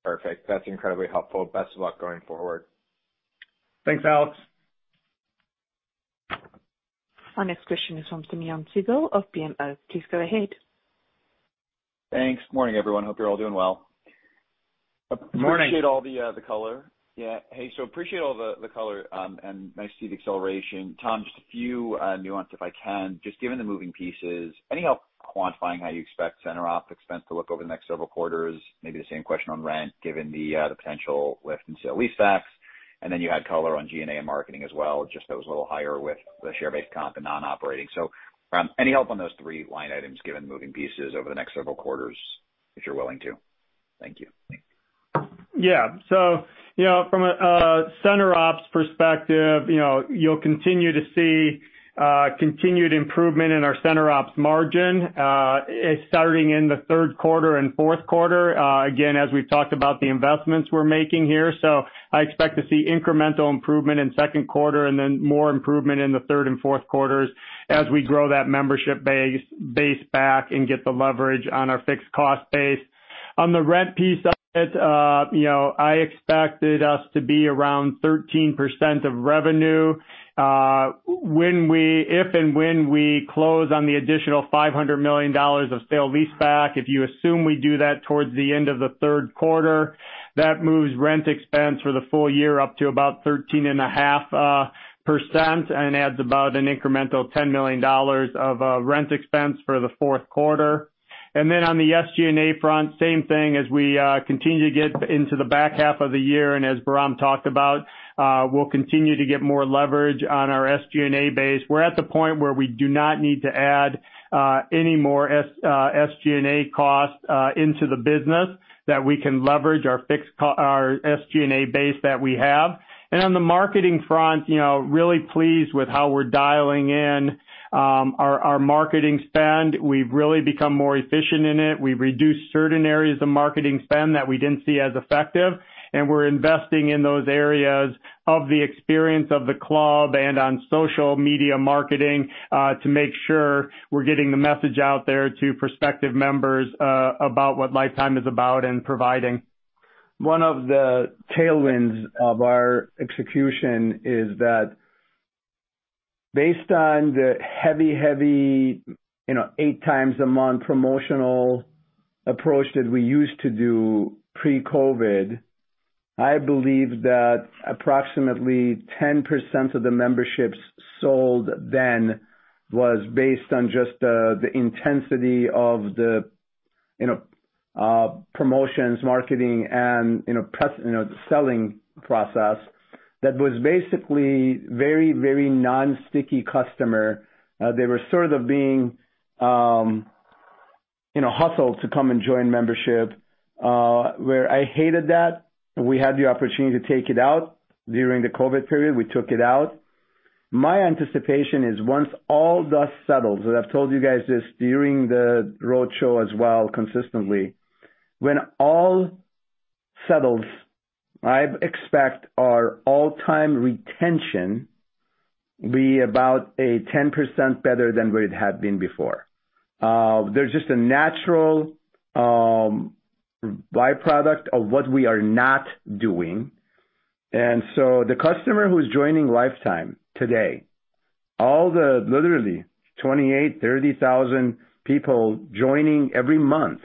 Perfect. That's incredibly helpful. Best of luck going forward. Thanks, Alex. Our next question is from Simeon Siegel of BMO. Please go ahead. Thanks. Morning, everyone. Hope you're all doing well. Morning. Appreciate all the color. Yeah. Hey, so appreciate all the color, and nice to see the acceleration. Tom, just a few nuances if I can. Just given the moving pieces, any help quantifying how you expect center op expense to look over the next several quarters? Maybe the same question on rent, given the potential lift in sale-leasebacks. You had color on G&A and marketing as well, just that was a little higher with the share-based comp and non-operating. Any help on those three line items given moving pieces over the next several quarters, if you're willing to? Thank you. Yeah. You know, from a center ops perspective, you know, you'll continue to see continued improvement in our center ops margin, starting in the Q3 and Q4, again, as we've talked about the investments we're making here. I expect to see incremental improvement in Q2 and then more improvement in the third and Q4 as we grow that membership base back and get the leverage on our fixed cost base. On the rent piece of it, you know, I expected us to be around 13% of revenue, if and when we close on the additional $500 million of sale-leaseback. If you assume we do that towards the end of the Q3, that moves rent expense for the full year up to about 13.5% and adds about an incremental $10 million of rent expense for the Q4. On the SG&A front, same thing as we continue to get into the back half of the year, and as Bahram talked about, we'll continue to get more leverage on our SG&A base. We're at the point where we do not need to add any more SG&A costs into the business, that we can leverage our SG&A base that we have. On the marketing front, you know, really pleased with how we're dialing in our marketing spend. We've really become more efficient in it. We've reduced certain areas of marketing spend that we didn't see as effective, and we're investing in those areas of the experience of the club and on social media marketing, to make sure we're getting the message out there to prospective members, about what Life Time is about and providing. One of the tailwinds of our execution is that based on the heavy you know eight times a month promotional approach that we used to do pre-COVID, I believe that approximately 10% of the memberships sold then was based on just the intensity of the you know promotions, marketing and you know pressure you know the selling process that was basically very non-sticky customer. They were sort of being you know hustled to come and join membership where I hated that. We had the opportunity to take it out during the COVID period, we took it out. My anticipation is once all dust settles, and I've told you guys this during the roadshow as well consistently, when all settles, I expect our overall retention be about a 10% better than what it had been before. There's just a natural byproduct of what we are not doing. The customer who's joining Life Time today, all the literally 28,000-30,000 people joining every month,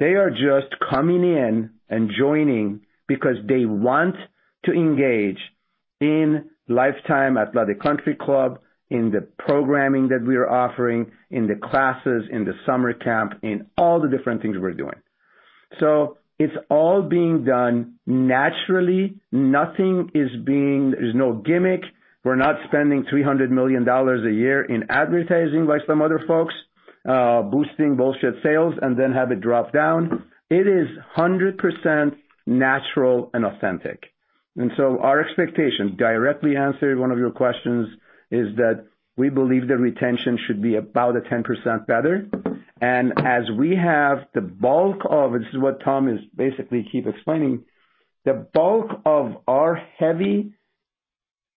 they are just coming in and joining because they want to engage in Life Time athletic country club, in the programming that we are offering, in the classes, in the summer camp, in all the different things we're doing. It's all being done naturally. There's no gimmick. We're not spending $300 million a year in advertising like some other folks, boosting bullshit sales and then have it drop down. It is 100% natural and authentic. Our expectation, directly answering one of your questions, is that we believe the retention should be about a 10% better. As we have the bulk of, this is what Tom is basically keep explaining, the bulk of our heavy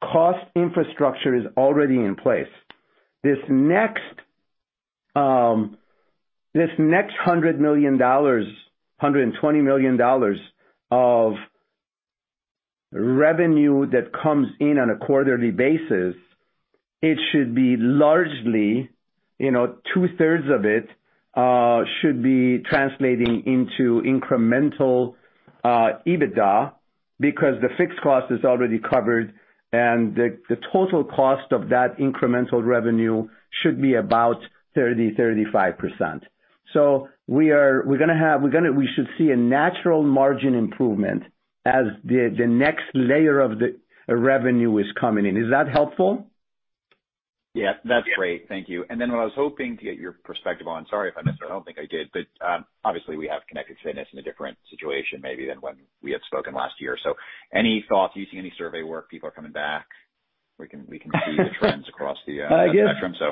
cost infrastructure is already in place. This next $100 million, $120 million of revenue that comes in on a quarterly basis, it should be largely, you know, two-thirds of it should be translating into incremental EBITDA because the fixed cost is already covered and the total cost of that incremental revenue should be about 30%-35%. We should see a natural margin improvement as the next layer of the revenue is coming in. Is that helpful? Yeah. That's great. Thank you. What I was hoping to get your perspective on, sorry if I missed it, I don't think I did, but obviously we have connected fitness in a different situation maybe than when we had spoken last year. Any thoughts, you see any survey work, people are coming back. We can see the trends across the spectrum. I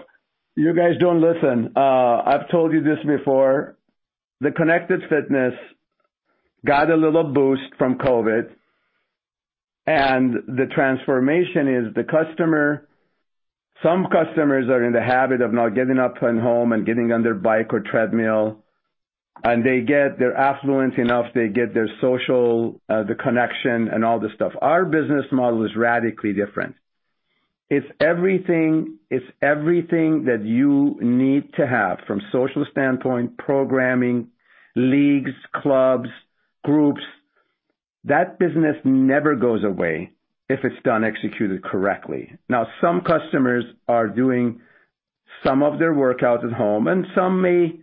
guess you guys don't listen. I've told you this before. The connected fitness got a little boost from COVID, and the transformation is. Some customers are in the habit of now getting up from home and getting on their bike or treadmill. They're affluent enough, they get their social, the connection and all this stuff. Our business model is radically different. It's everything that you need to have from social standpoint, programming, leagues, clubs, groups. That business never goes away if it's executed correctly. Now, some customers are doing some of their workouts at home, and some may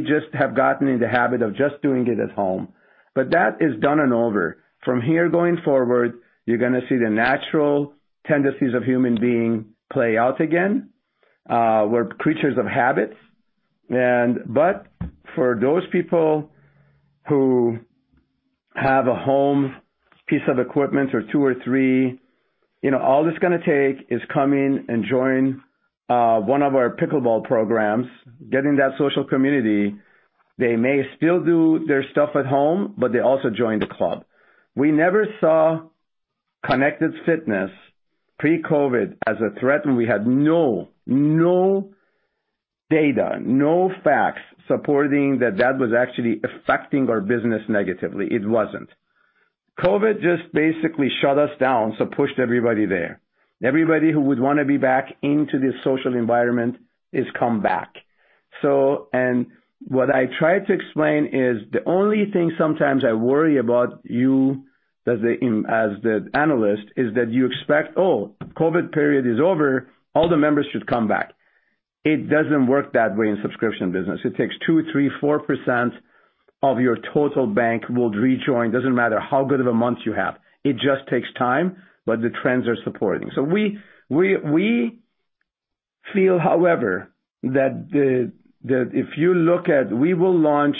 just have gotten in the habit of just doing it at home. That is done and over. From here going forward, you're gonna see the natural tendencies of human being play out again. We're creatures of habit. For those people who have a home piece of equipment or two or three, you know, all it's gonna take is come in and join one of our pickleball programs, get in that social community. They may still do their stuff at home, but they also join the club. We never saw connected fitness pre-COVID as a threat, and we had no data, no facts supporting that was actually affecting our business negatively. It wasn't. COVID just basically shut us down, pushed everybody there. Everybody who would wanna be back into the social environment is come back. What I try to explain is the only thing sometimes I worry about you as the analyst is that you expect, oh, COVID period is over, all the members should come back. It doesn't work that way in subscription business. It takes two, three, 4% of your total base will rejoin. Doesn't matter how good of a month you have. It just takes time, but the trends are supporting. We feel, however, that if you look at we will launch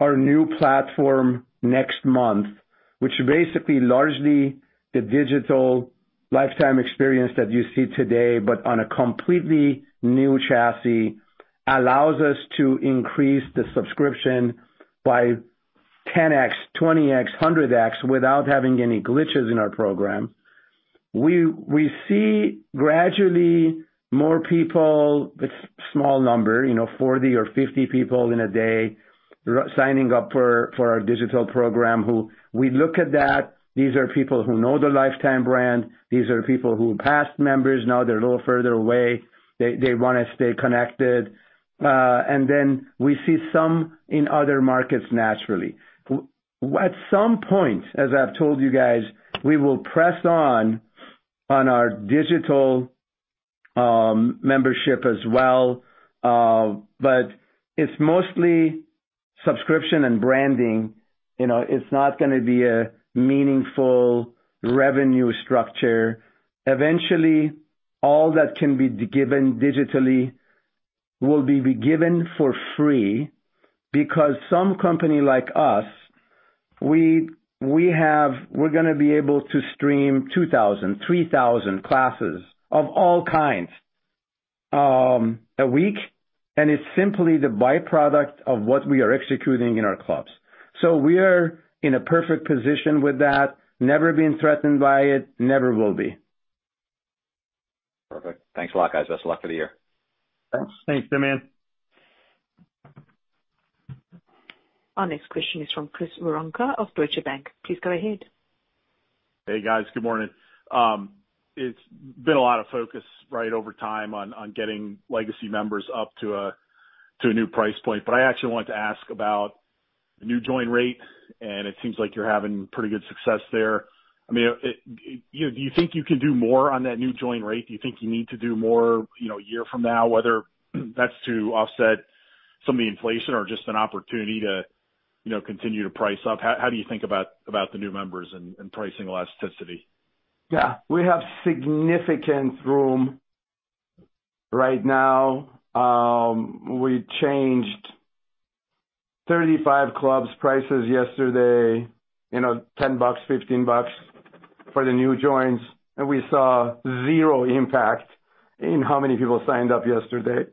our new platform next month, which basically largely the digital Life Time experience that you see today, but on a completely new chassis, allows us to increase the subscription by 10x, 20x, 100x without having any glitches in our program. We see gradually more people, it's a small number, you know, 40 or 50 people in a day signing up for our digital program who we look at that, these are people who know the Life Time brand, these are people who are past members, now they're a little further away. They wanna stay connected. We see some in other markets naturally. At some point, as I've told you guys, we will press on our digital membership as well, but it's mostly subscription and branding. You know, it's not gonna be a meaningful revenue structure. Eventually, all that can be given digitally will be given for free because some company like us, we're gonna be able to stream 2,000, 3,000 classes of all kinds a week, and it's simply the byproduct of what we are executing in our clubs. We are in a perfect position with that, never been threatened by it, never will be. Perfect. Thanks a lot, guys. Best of luck for the year. Thanks. Thanks, Simeon. Our next question is from Chris Woronka of Deutsche Bank. Please go ahead. Hey guys. Good morning. It's been a lot of focus at Life Time on getting legacy members up to a new price point. I actually wanted to ask about the new join rate, and it seems like you're having pretty good success there. I mean, do you think you can do more on that new join rate? Do you think you need to do more, you know, a year from now, whether that's to offset some of the inflation or just an opportunity to, you know, continue to price up? How do you think about the new members and pricing elasticity? Yeah, we have significant room right now. We changed 35 clubs prices yesterday, you know, $10, $15 for the new joins, and we saw 0 impact in how many people signed up yesterday.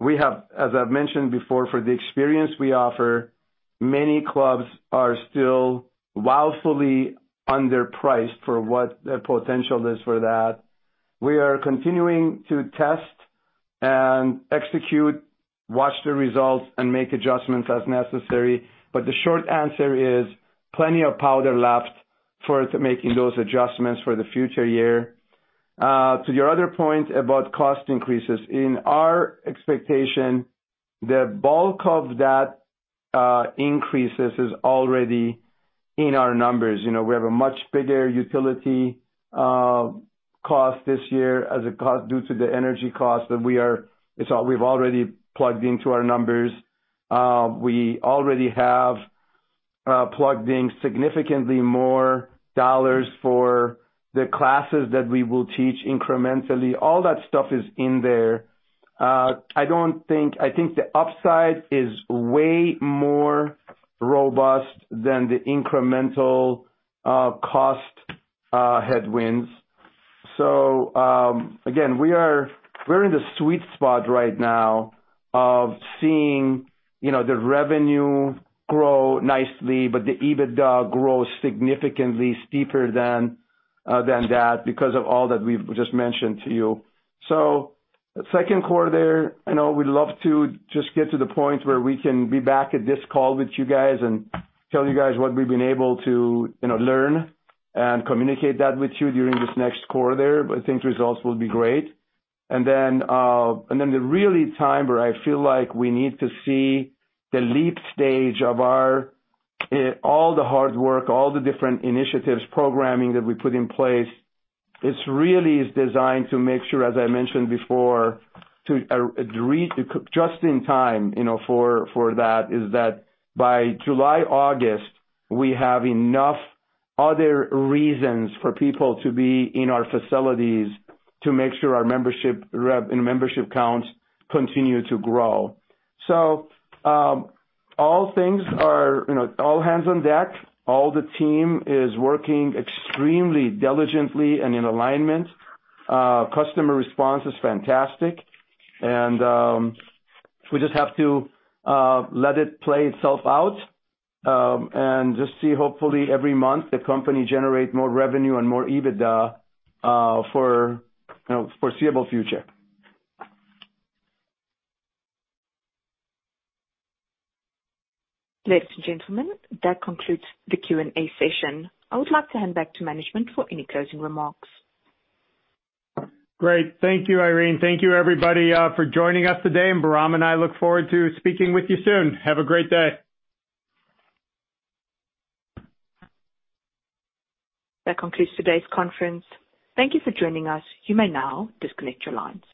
We have, as I've mentioned before, for the experience we offer, many clubs are still woefully underpriced for what the potential is for that. We are continuing to test and execute, watch the results and make adjustments as necessary. But the short answer is plenty of powder left for making those adjustments for the future year. To your other point about cost increases. In our expectation, the bulk of that increases is already in our numbers. You know, we have a much bigger utility cost this year as a cost due to the energy cost that it's all we've already plugged into our numbers. We already have plugged in significantly more dollars for the classes that we will teach incrementally. All that stuff is in there. I think the upside is way more robust than the incremental cost headwinds. Again, we're in the sweet spot right now of seeing, you know, the revenue grow nicely, but the EBITDA grow significantly steeper than that because of all that we've just mentioned to you. Q2 there, you know, we'd love to just get to the point where we can be back at this call with you guys and tell you guys what we've been able to, you know, learn and communicate that with you during this next quarter there. I think results will be great. The right time where I feel like we need to see the leap stage all the hard work, all the different initiatives, programming that we put in place, it really is designed to make sure, as I mentioned before, to readjust in time, you know, for that by July, August, we have enough other reasons for people to be in our facilities to make sure our membership retention and membership counts continue to grow. All things are, you know, all hands on deck, all the team is working extremely diligently and in alignment. Customer response is fantastic. We just have to let it play itself out and just see hopefully every month the company generate more revenue and more EBITDA for foreseeable future. Ladies and gentlemen, that concludes the Q&A session. I would like to hand back to management for any closing remarks. Great. Thank you, Irene. Thank you everybody, for joining us today. Bahram and I look forward to speaking with you soon. Have a great day. That concludes today's conference. Thank you for joining us. You may now disconnect your lines.